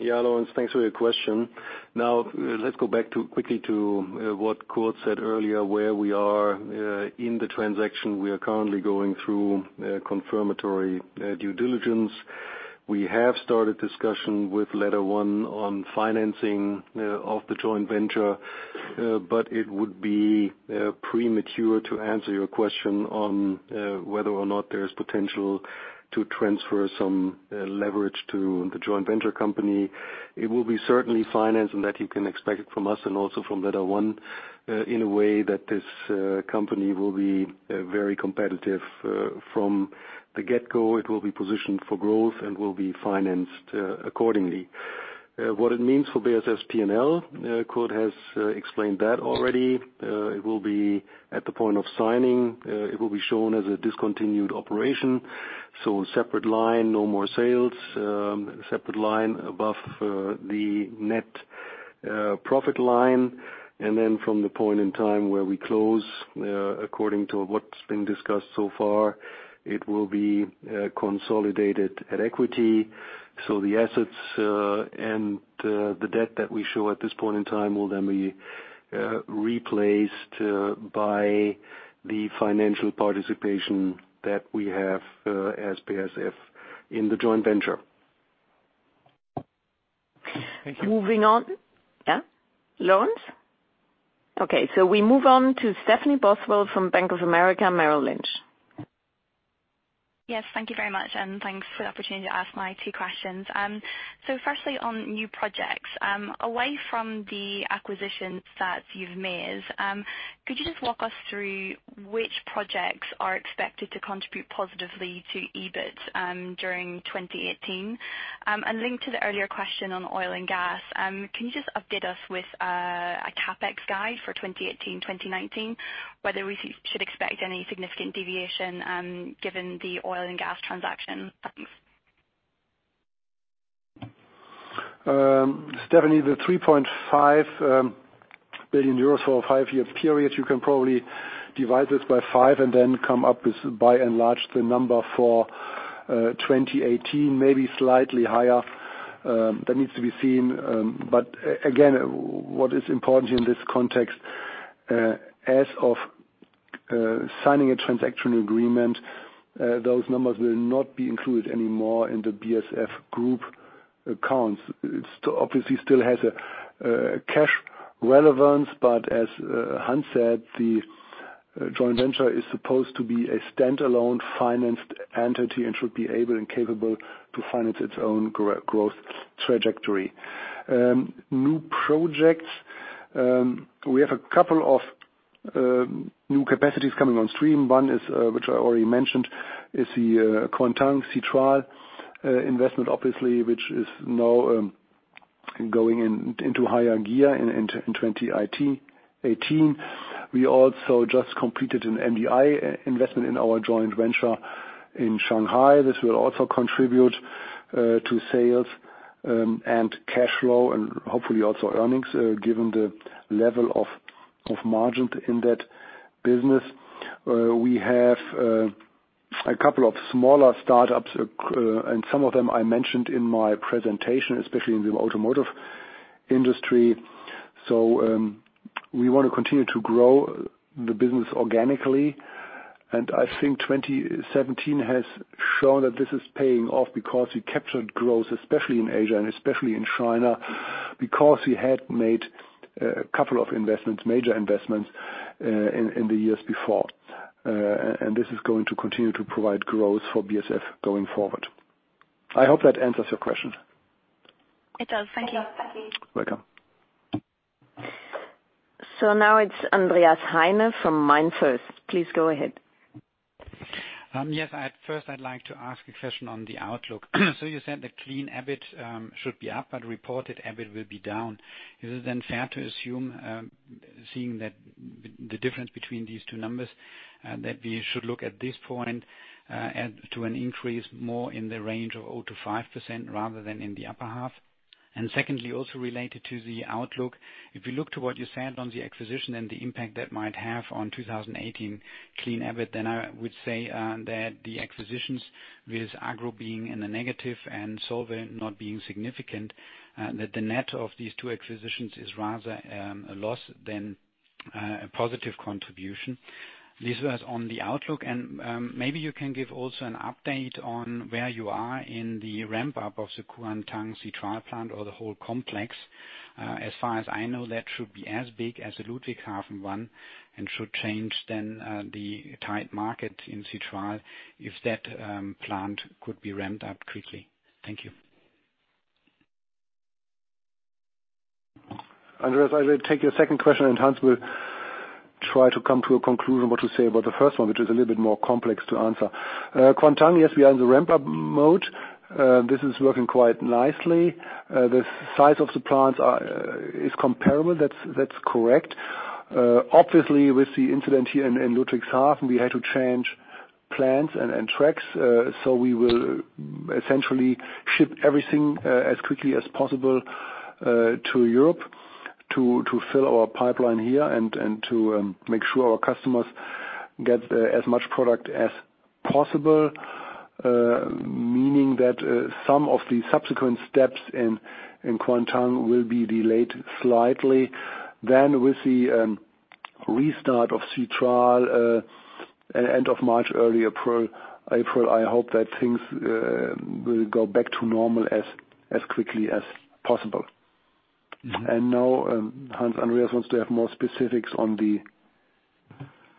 Speaker 4: Laurence, thanks for your question. Now let's go back quickly to what Kurt said earlier, where we are in the transaction. We are currently going through confirmatory due diligence. We have started discussion with LetterOne on financing of the joint venture. It would be premature to answer your question on whether or not there is potential to transfer some leverage to the joint venture company. It will be certainly financed, and that you can expect from us and also from LetterOne in a way that this company will be very competitive from the get-go. It will be positioned for growth and will be financed accordingly. What it means for BASF P&L, Kurt has explained that already. It will be at the point of signing. It will be shown as a discontinued operation, so separate line, no more sales, separate line above the net profit line. From the point in time where we close, according to what's been discussed so far, it will be consolidated at equity. The assets and the debt that we show at this point in time will then be replaced by the financial participation that we have as BASF in the joint venture.
Speaker 7: Thank you.
Speaker 2: Moving on. Yeah, Laurence? Okay, we move on to Stephanie Bothwell from Bank of America Merrill Lynch.
Speaker 8: Yes, thank you very much, and thanks for the opportunity to ask my two questions. Firstly, on new projects, away from the acquisitions that you've made, could you just walk us through which projects are expected to contribute positively to EBIT during 2018? Linked to the earlier question on oil and gas, can you just update us with a CapEx guide for 2018, 2019, whether we should expect any significant deviation given the oil and gas transaction? Thanks.
Speaker 3: Stephanie, the 3.5 billion euros for a five-year period, you can probably divide this by five and then come up with by and large the number for 2018, maybe slightly higher, that needs to be seen. Again, what is important in this context, as of signing a transaction agreement, those numbers will not be included anymore in the BASF Group accounts. It’s obviously still has a cash relevance, but as Hans said, the joint venture is supposed to be a standalone financed entity and should be able and capable to finance its own growth trajectory. New projects, we have a couple of new capacities coming on stream. One is, which I already mentioned, is the Kuantan citral investment, obviously, which is now going into higher gear in 2018. We also just completed an MDI investment in our joint venture in Shanghai. This will also contribute to sales and cash flow and hopefully also earnings, given the level of margins in that business. We have a couple of smaller startups, and some of them I mentioned in my presentation, especially in the automotive industry. We want to continue to grow the business organically. I think 2017 has shown that this is paying off because we captured growth, especially in Asia and especially in China, because we had made a couple of major investments in the years before. This is going to continue to provide growth for BASF going forward. I hope that answers your question.
Speaker 8: It does. Thank you.
Speaker 3: Welcome.
Speaker 2: Now it's Andreas Heine from MainFirst. Please go ahead.
Speaker 9: Yes, first I'd like to ask a question on the outlook. You said the clean EBIT should be up, but reported EBIT will be down. Is it then fair to assume, seeing that the difference between these two numbers, that we should look at this point and to an increase more in the range of 0%-5% rather than in the upper half? Secondly, also related to the outlook, if you look to what you said on the acquisition and the impact that might have on 2018 clean EBIT, then I would say that the acquisitions with Agro being in the negative and Solvay not being significant that the net of these two acquisitions is rather a loss than a positive contribution. This was on the outlook, and maybe you can give also an update on where you are in the ramp up of the Kuantan citral plant or the whole complex. As far as I know, that should be as big as the Ludwigshafen one and should change then the tight market in citral if that plant could be ramped up quickly. Thank you.
Speaker 3: Andreas, I will take your second question, and Hans will try to come to a conclusion what to say about the first one, which is a little bit more complex to answer. Kuantan, yes, we are in the ramp-up mode. This is working quite nicely. The size of the plants is comparable. That's correct. Obviously, with the incident here in Ludwigshafen, we had to change plants and tracks, so we will essentially ship everything as quickly as possible to Europe to fill our pipeline here and to make sure our customers get as much product as possible, meaning that some of the subsequent steps in Kuantan will be delayed slightly. With the restart of citral at end of March, early April, I hope that things will go back to normal as quickly as possible. Now, Hans, Andreas wants to have more specifics on the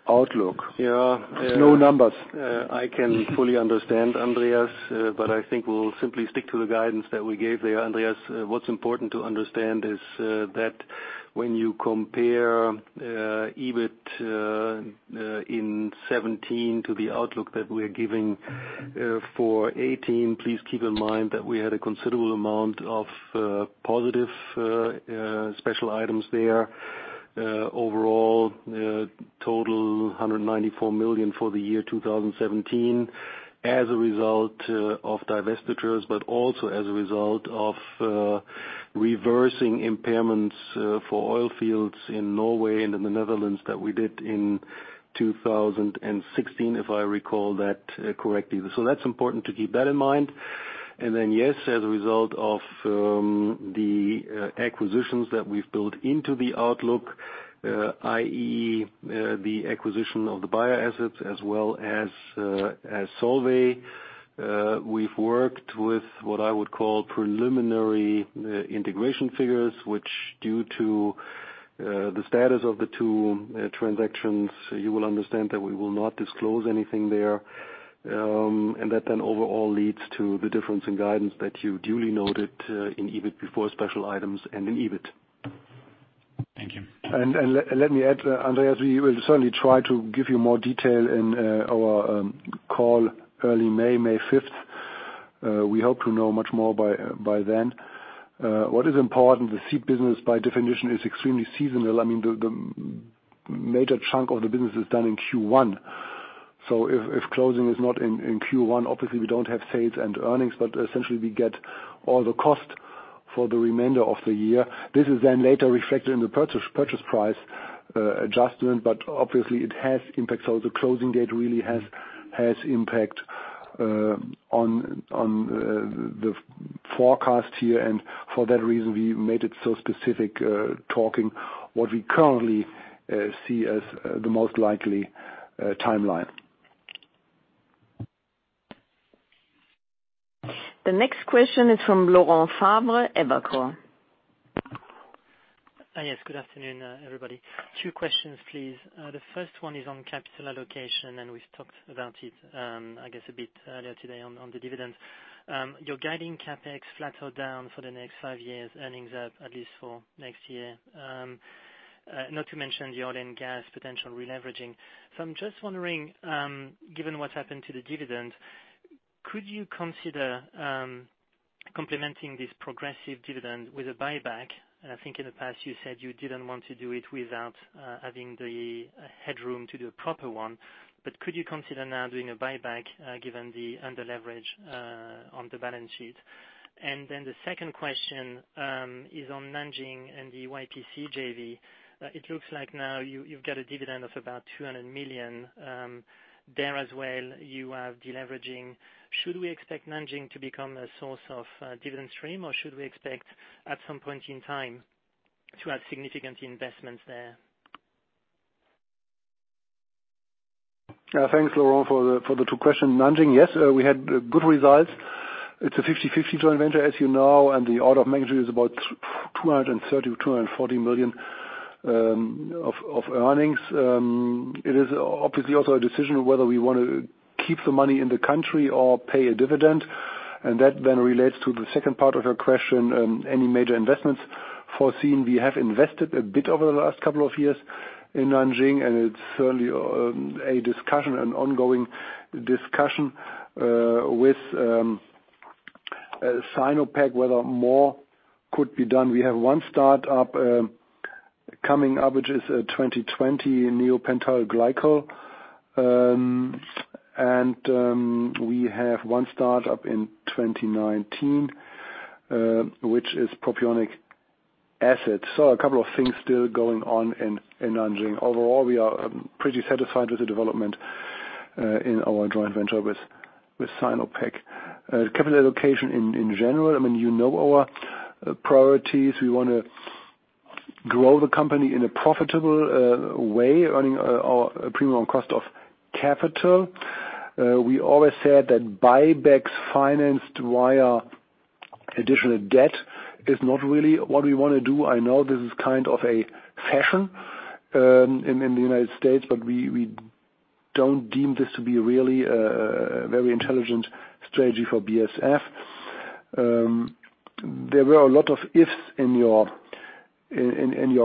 Speaker 3: outlook.
Speaker 4: Yeah.
Speaker 3: No numbers.
Speaker 4: I can fully understand Andreas, but I think we'll simply stick to the guidance that we gave there, Andreas. What's important to understand is that when you compare EBIT in 2017 to the outlook that we're giving for 2018, please keep in mind that we had a considerable amount of positive special items there. Overall, total 194 million for the year 2017 as a result of divestitures, but also as a result of reversing impairments for oil fields in Norway and in the Netherlands that we did in 2016, if I recall that correctly. That's important to keep that in mind. Yes, as a result of the acquisitions that we've built into the outlook, i.e., the acquisition of the Bayer assets as well as Solvay, we've worked with what I would call preliminary integration figures, which due to the status of the two transactions, you will understand that we will not disclose anything there. That then overall leads to the difference in guidance that you duly noted in EBIT before special items and in EBIT.
Speaker 9: Thank you.
Speaker 3: Let me add, Andreas, we will certainly try to give you more detail in our call early May 5th. We hope to know much more by then. What is important, the seed business by definition is extremely seasonal. I mean, the major chunk of the business is done in Q1. If closing is not in Q1, obviously we don't have sales and earnings, but essentially we get all the cost for the remainder of the year. This is then later reflected in the purchase price adjustment, but obviously it has impact. The closing date really has impact on the forecast here. For that reason, we made it so specific talking about what we currently see as the most likely timeline.
Speaker 2: The next question is from Laurent Favre, Evercore.
Speaker 10: Yes. Good afternoon, everybody. Two questions, please. The first one is on capital allocation, and we've talked about it, I guess a bit earlier today on the dividends. You're guiding CapEx flat or down for the next five years, earnings up at least for next year. Not to mention the oil and gas potential releveraging. I'm just wondering, given what's happened to the dividends, could you consider complementing this progressive dividend with a buyback? And I think in the past you said you didn't want to do it without having the headroom to do a proper one. Could you consider now doing a buyback, given the under-leverage on the balance sheet? Then the second question is on Nanjing and the YPC JV. It looks like now you've got a dividend of about 200 million there as well. You are deleveraging. Should we expect Nanjing to become a source of dividend stream, or should we expect at some point in time to have significant investments there?
Speaker 3: Thanks, Laurent, for the two questions. Nanjing, yes, we had good results. It's a 50/50 joint venture, as you know, and the order of magnitude is about 230 million - 240 million of earnings. It is obviously also a decision of whether we want to keep the money in the country or pay a dividend. That then relates to the second part of your question, any major investments foreseen. We have invested a bit over the last couple of years in Nanjing, and it's certainly a discussion, an ongoing discussion with Sinopec, whether more could be done. We have one startup coming up, which is 2020 neopentyl glycol. We have one startup in 2019, which is propionic acid. A couple of things still going on in Nanjing. Overall, we are pretty satisfied with the development in our joint venture with Sinopec. Capital allocation in general, I mean, you know our priorities. We wanna grow the company in a profitable way, earning a premium cost of capital. We always said that buybacks financed via additional debt is not really what we wanna do. I know this is kind of a fashion in the United States, but we don't deem this to be really a very intelligent strategy for BASF. There were a lot of ifs in your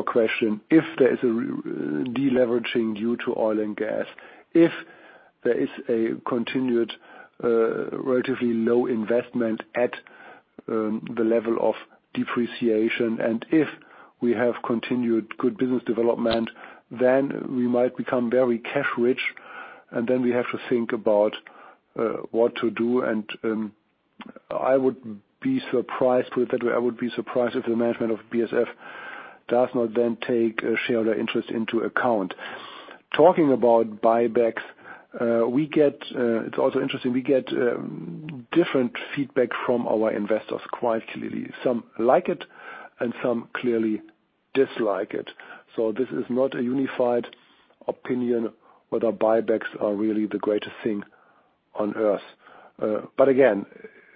Speaker 3: question. If there is a deleveraging due to oil and gas, if there is a continued relatively low investment at the level of depreciation, and if we have continued good business development, then we might become very cash rich, and then we have to think about what to do. I would be surprised, put it that way, if the management of BASF does not then take a shareholder interest into account. Talking about buybacks, we get different feedback from our investors quite clearly. Some like it, and some clearly dislike it. This is not a unified opinion whether buybacks are really the greatest thing on Earth. Again,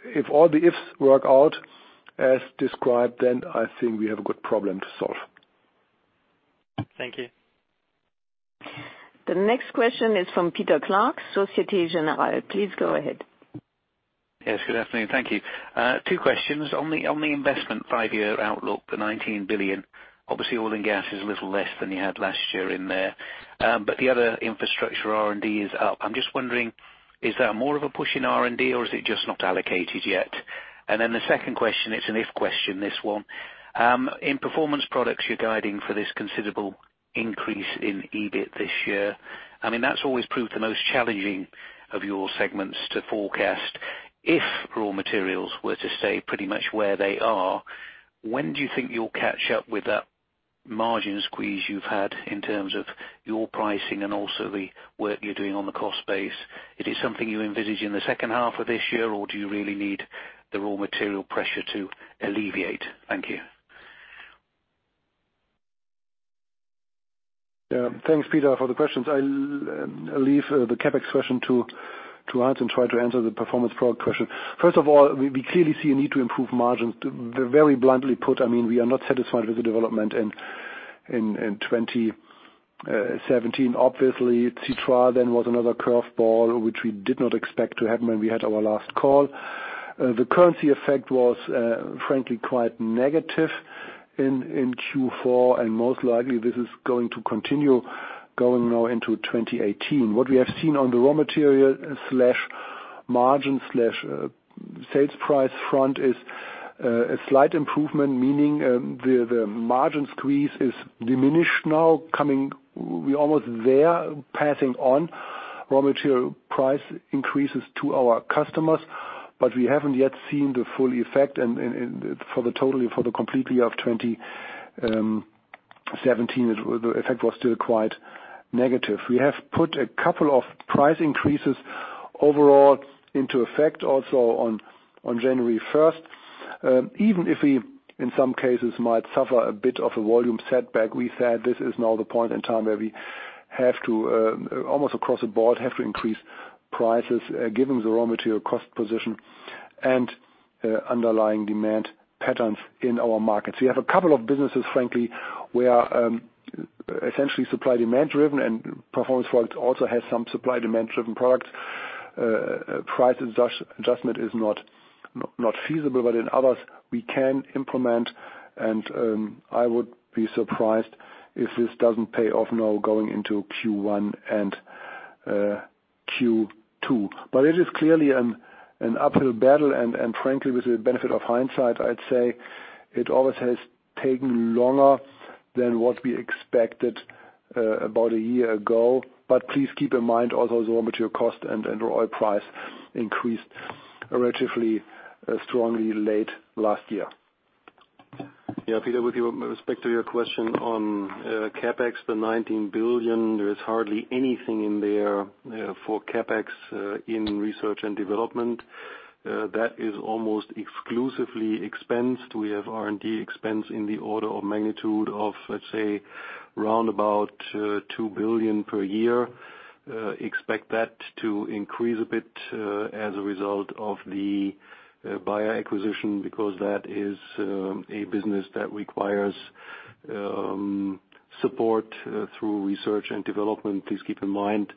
Speaker 3: if all the ifs work out as described, then I think we have a good problem to solve.
Speaker 10: Thank you.
Speaker 2: The next question is from Peter Clark, Société Générale. Please go ahead.
Speaker 11: Yes, good afternoon. Thank you. Two questions. On the investment five-year outlook, the 19 billion, obviously oil and gas is a little less than you had last year in there. But the other infrastructure R&D is up. I'm just wondering, is that more of a push in R&D, or is it just not allocated yet? And then the second question, it's an if question, this one. In Performance Products, you're guiding for this considerable increase in EBIT this year. I mean, that's always proved the most challenging of your segments to forecast. If raw materials were to stay pretty much where they are, when do you think you'll catch up with that margin squeeze you've had in terms of your pricing and also the work you're doing on the cost base? Is it something you envisage in the second half of this year, or do you really need the raw material pressure to alleviate? Thank you.
Speaker 3: Yeah. Thanks, Peter, for the questions. I'll leave the CapEx question to Hans and try to answer the Performance Product question. First of all, we clearly see a need to improve margins. Very bluntly put, I mean, we are not satisfied with the development in 2017. Obviously, citral then was another curveball which we did not expect to happen when we had our last call. The currency effect was frankly quite negative in Q4, and most likely this is going to continue going now into 2018. What we have seen on the raw material slash margin slash sales price front is a slight improvement, meaning the margin squeeze is diminished now. We're almost there, passing on raw material price increases to our customers, but we haven't yet seen the full effect. For the complete year of 2017, the effect was still quite negative. We have put a couple of price increases overall into effect also on January first. Even if we, in some cases, might suffer a bit of a volume setback, we said this is now the point in time where we have to almost across the board increase prices, given the raw material cost position and underlying demand patterns in our markets. We have a couple of businesses, frankly, where essentially supply and demand driven and Performance Products also has some supply and demand driven products. Price adjustment is not feasible, but in others, we can implement and I would be surprised if this doesn't pay off now going into Q1 and Q2. It is clearly an uphill battle, and frankly, with the benefit of hindsight, I'd say it always has taken longer than what we expected about a year ago. Please keep in mind also the raw material cost and the oil price increased relatively strongly late last year.
Speaker 4: Yeah, Peter, with respect to your question on CapEx, the 19 billion, there is hardly anything in there for CapEx in research and development. That is almost exclusively expensed. We have R&D expense in the order of magnitude of, let's say, round about two billion per year. Expect that to increase a bit as a result of the Bayer acquisition because that is a business that requires support through research and development. Please keep in mind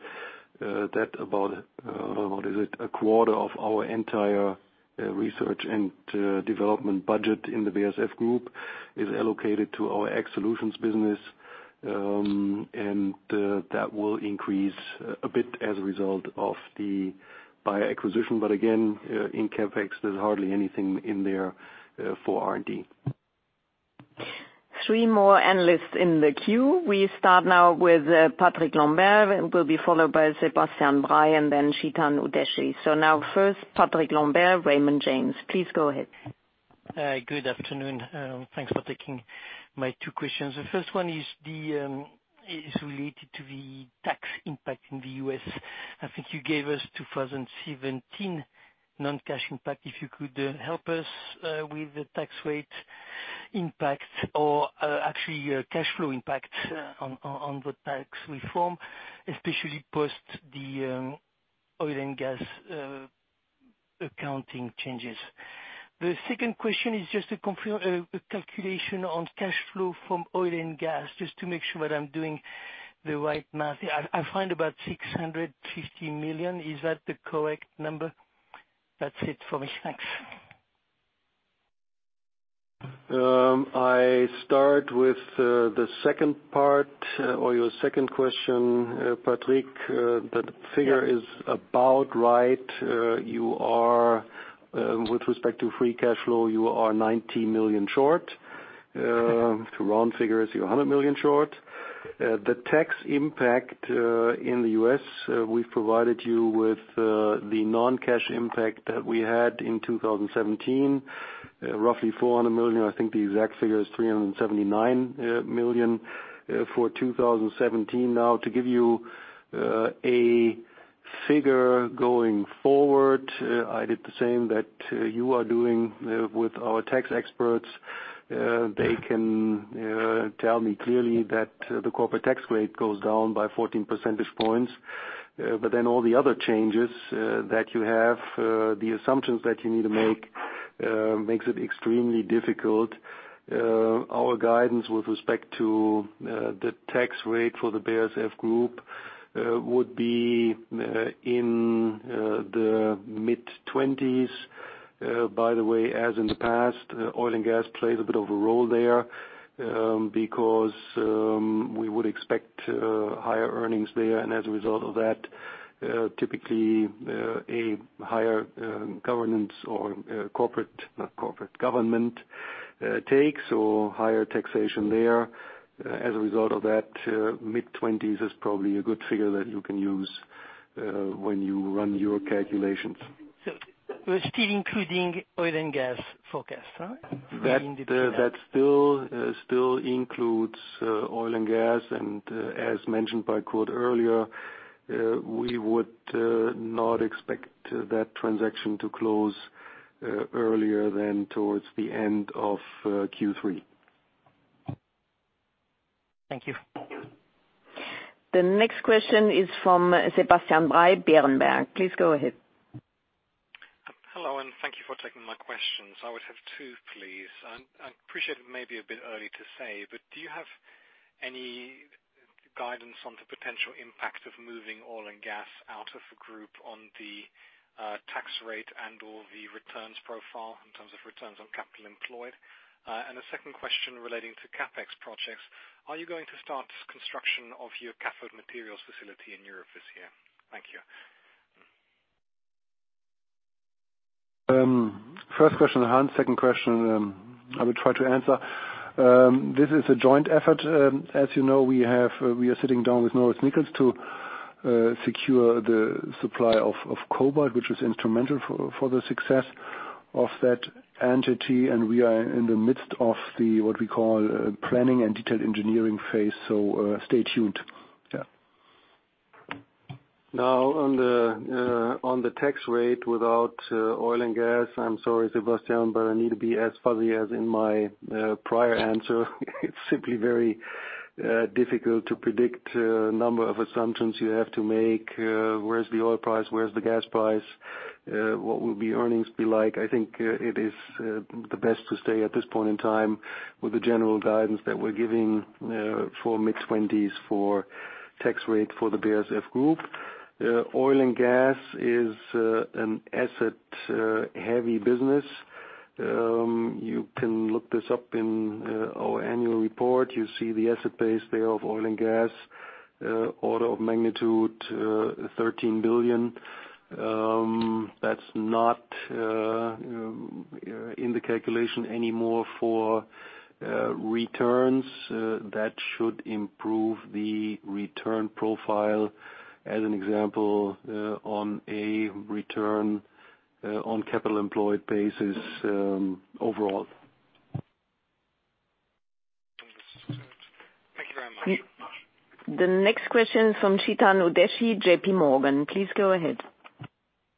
Speaker 4: that about what is it? A quarter of our entire research and development budget in the BASF Group is allocated to our ag solutions business. And that will increase a bit as a result of the Bayer acquisition. But again, in CapEx, there's hardly anything in there for R&D.
Speaker 2: Three more analysts in the queue. We start now with Patrick Lambert, and will be followed by Sebastian Bray, and then Chetan Udeshi. Now first, Patrick Lambert, Raymond James, please go ahead.
Speaker 12: Hi. Good afternoon, thanks for taking my two questions. The first one is related to the tax impact in the U.S. I think you gave us 2017 non-cash impact. If you could help us with the tax rate impact or actually cash flow impact on the tax reform, especially post the oil and gas accounting changes. The second question is just to confirm a calculation on cash flow from oil and gas, just to make sure that I'm doing the right math here. I find about 650 million. Is that the correct number? That's it for me. Thanks.
Speaker 4: I start with the second part of your second question, Patrick. The figure is about right. With respect to free cash flow, you are 90 million short. To round figures, you're 100 million short. The tax impact in the U.S., we've provided you with the non-cash impact that we had in 2017, roughly 400 million. I think the exact figure is 379 million for 2017. Now, to give you a figure going forward, I did the same that you are doing with our tax experts. They can tell me clearly that the corporate tax rate goes down by 14 percentage points. All the other changes that you have, the assumptions that you need to make it extremely difficult. Our guidance with respect to the tax rate for the BASF Group would be in the mid-20s%. By the way, as in the past, oil and gas plays a bit of a role there because we would expect higher earnings there. As a result of that, typically a higher government takes or higher taxation there. As a result of that, mid-20s% is probably a good figure that you can use when you run your calculations.
Speaker 12: We're still including oil and gas forecast, right?
Speaker 4: That still includes oil and gas. As mentioned by Kurt earlier, we would not expect that transaction to close earlier than towards the end of Q3.
Speaker 12: Thank you.
Speaker 2: The next question is from Sebastian Bray, Berenberg. Please go ahead.
Speaker 13: Hello, and thank you for taking my questions. I would have two, please. I appreciate it may be a bit early to say, but do you have any guidance on the potential impact of moving oil and gas out of the group on the tax rate and/or the returns profile in terms of returns on capital employed? A second question relating to CapEx projects. Are you going to start construction of your cathode materials facility in Europe this year? Thank you.
Speaker 4: First question, Hans. Second question, I will try to answer. This is a joint effort. As you know, we are sitting down with Norilsk Nickel to secure the supply of cobalt, which is instrumental for the success of that entity. We are in the midst of what we call the planning and detailed engineering phase. Stay tuned. Yeah. Now on the tax rate without oil and gas, I'm sorry, Sebastian, but I need to be as fuzzy as in my prior answer. It's simply very difficult to predict number of assumptions you have to make. Where's the oil price? Where's the gas price? What will the earnings be like? I think it is the best to stay at this point in time with the general guidance that we're giving for mid-20s% tax rate for the BASF Group. Oil and gas is an asset heavy business. You can look this up in our annual report. You see the asset base there of oil and gas, order of magnitude 13 billion. That's not in the calculation anymore for returns. That should improve the return profile as an example on a return on capital employed basis overall.
Speaker 13: Understood. Thank you very much.
Speaker 2: The next question is from Chetan Udeshi, JPMorgan. Please go ahead.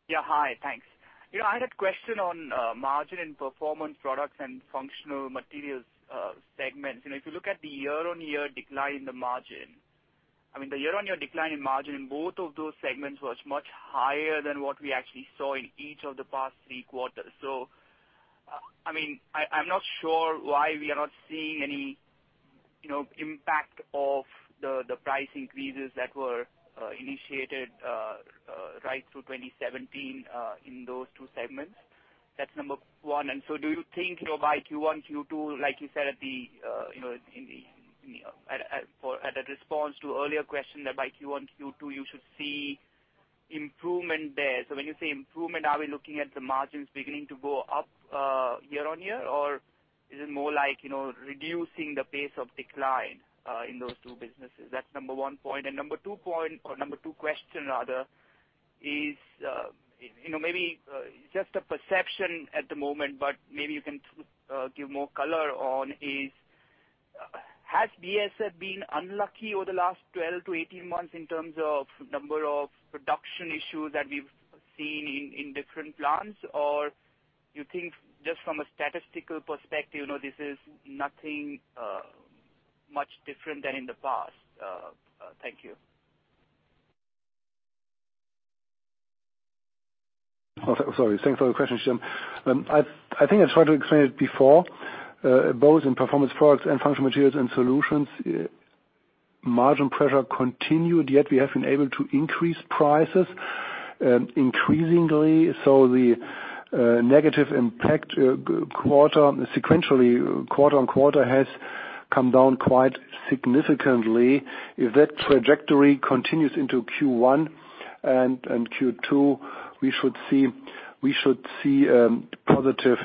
Speaker 14: Yeah. Hi. Thanks. You know, I had a question on margin and Performance Products and Functional Materials segments. You know, if you look at the year-on-year decline in the margin. I mean, the year-on-year decline in margin in both of those segments was much higher than what we actually saw in each of the past three quarters. So, I mean, I'm not sure why we are not seeing any, you know, impact of the price increases that were initiated right through 2017 in those two segments. That's number one. Do you think, you know, by Q1, Q2, like you said in the response to earlier question that by Q1, Q2 you should see improvement there. When you say improvement, are we looking at the margins beginning to go up year on year? Or is it more like, you know, reducing the pace of decline in those two businesses? That's number one point. Number two point or number two question rather is, you know, maybe just a perception at the moment, but maybe you can give more color on, has BASF been unlucky over the last 12-18 months in terms of number of production issues that we've seen in different plants? Or you think just from a statistical perspective, you know, this is nothing much different than in the past? Thank you.
Speaker 3: Oh, sorry. Thanks for the question, Chetan. I think I tried to explain it before. Both in Performance Products and Functional Materials and Solutions, margin pressure continued, yet we have been able to increase prices increasingly. The negative impact, quarter-over-quarter sequentially, quarter on quarter, has come down quite significantly. If that trajectory continues into Q1 and Q2, we should see positive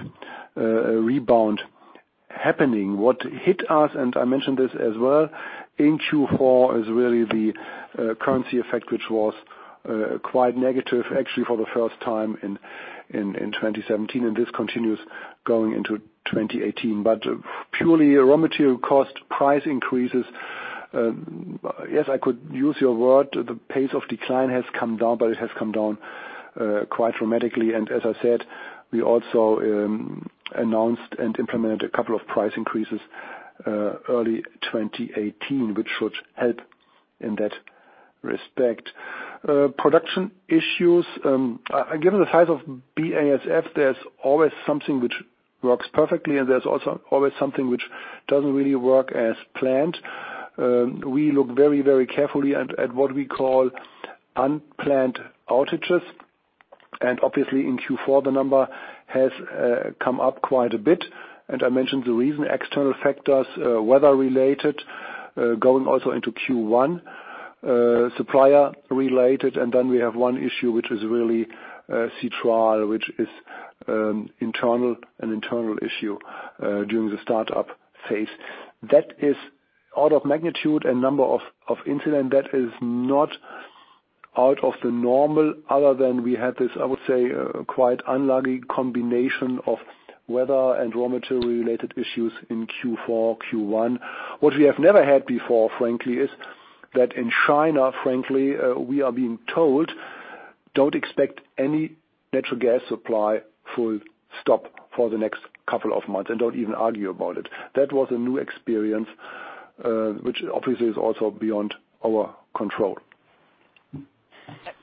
Speaker 3: rebound happening. What hit us, and I mentioned this as well, in Q4, is really the currency effect, which was quite negative actually for the first time in 2017, and this continues going into 2018. Purely raw material cost price increases, yes, I could use your word, the pace of decline has come down, but it has come down quite dramatically. As I said, we also announced and implemented a couple of price increases early 2018, which should help in that respect. Production issues, given the size of BASF, there's always something which works perfectly, and there's also always something which doesn't really work as planned. We look very, very carefully at what we call unplanned outages. Obviously in Q4 the number has come up quite a bit. I mentioned the reason, external factors, weather-related, going also into Q1, supplier-related. Then we have one issue which is really citral, which is internal, an internal issue during the startup phase. That is order of magnitude and number of incident that is not out of the normal other than we had this, I would say, quite unlucky combination of weather and raw material-related issues in Q4, Q1. What we have never had before, frankly, is that in China, frankly, we are being told, "Don't expect any natural gas supply full stop for the next couple of months, and don't even argue about it." That was a new experience, which obviously is also beyond our control.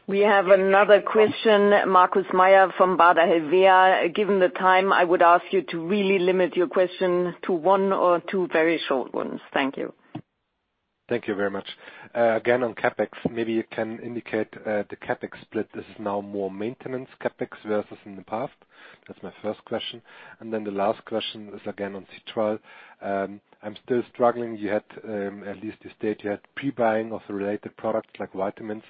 Speaker 2: We have another question, Markus Mayer from Baader Helvea. Given the time, I would ask you to really limit your question to one or two very short ones. Thank you.
Speaker 15: Thank you very much. Again, on CapEx, maybe you can indicate the CapEx split. This is now more maintenance CapEx versus in the past. That's my first question. The last question is again on citral. I'm still struggling. You had, at least you stated you had pre-buying of the related products like vitamins,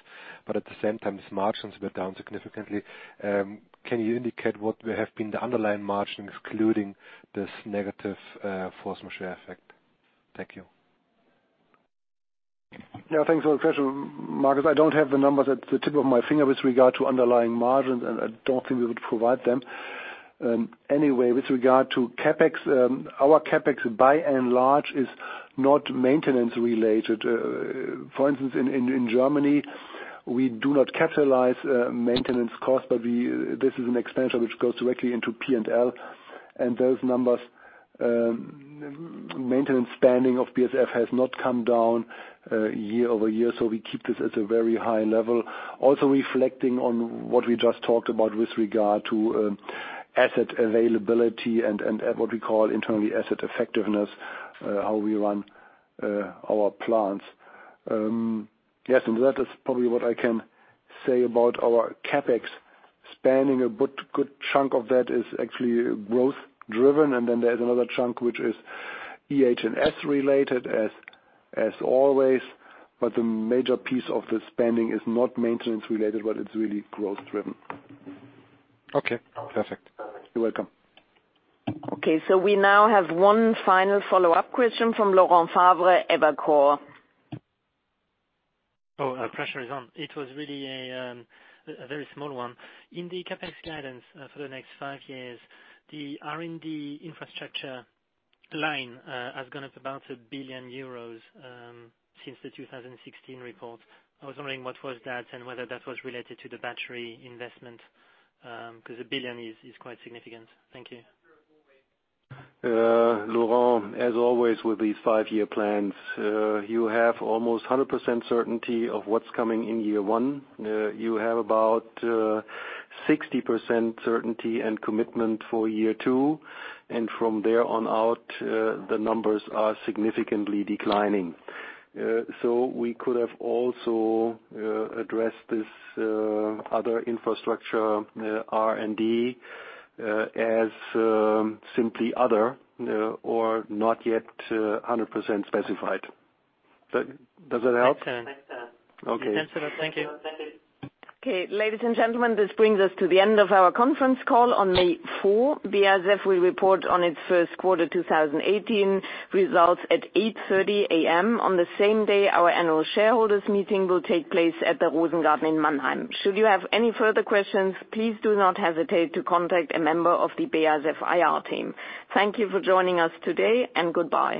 Speaker 15: but at the same time these margins were down significantly. Can you indicate what would have been the underlying margin excluding this negative force majeure effect? Thank you.
Speaker 3: Yeah, thanks for the question, Markus. I don't have the numbers at the tip of my finger with regard to underlying margins, and I don't think we would provide them. Anyway, with regard to CapEx, our CapEx by and large is not maintenance related. For instance, in Germany, we do not capitalize maintenance costs, but this is an expense which goes directly into P&L. Those numbers, maintenance spending of BASF, has not come down year-over-year. We keep this at a very high level. Reflecting on what we just talked about with regard to asset availability and what we call internally asset effectiveness, how we run our plants. Yes, that is probably what I can say about our CapEx spending. A good chunk of that is actually growth driven, and then there's another chunk which is EHS related as always. The major piece of the spending is not maintenance related, but it's really growth driven.
Speaker 15: Okay, perfect.
Speaker 3: You're welcome.
Speaker 2: Okay, we now have one final follow-up question from Laurent Favre, Evercore.
Speaker 10: Pressure is on. It was really a very small one. In the CapEx guidance for the next years, the R&D infrastructure line has gone up about 1 billion euros since the 2016 report. I was wondering what was that and whether that was related to the battery investment, 'cause a billion is quite significant. Thank you.
Speaker 3: Laurent, as always with these five-year plans, you have almost 100% certainty of what's coming in year one. You have about 60% certainty and commitment for year two. From there on out, the numbers are significantly declining. We could have also addressed this other infrastructure R&D as simply other or not yet 100% specified. Does that help?
Speaker 10: Makes sense.
Speaker 3: Okay.
Speaker 10: Makes sense. Thank you.
Speaker 3: Thank you.
Speaker 2: Okay. Ladies and gentlemen, this brings us to the end of our conference call on May 4. BASF will report on its first quarter 2018 results at 8:30 A.M. On the same day, our annual shareholders meeting will take place at the Rosengarten in Mannheim. Should you have any further questions, please do not hesitate to contact a member of the BASF IR team. Thank you for joining us today, and goodbye.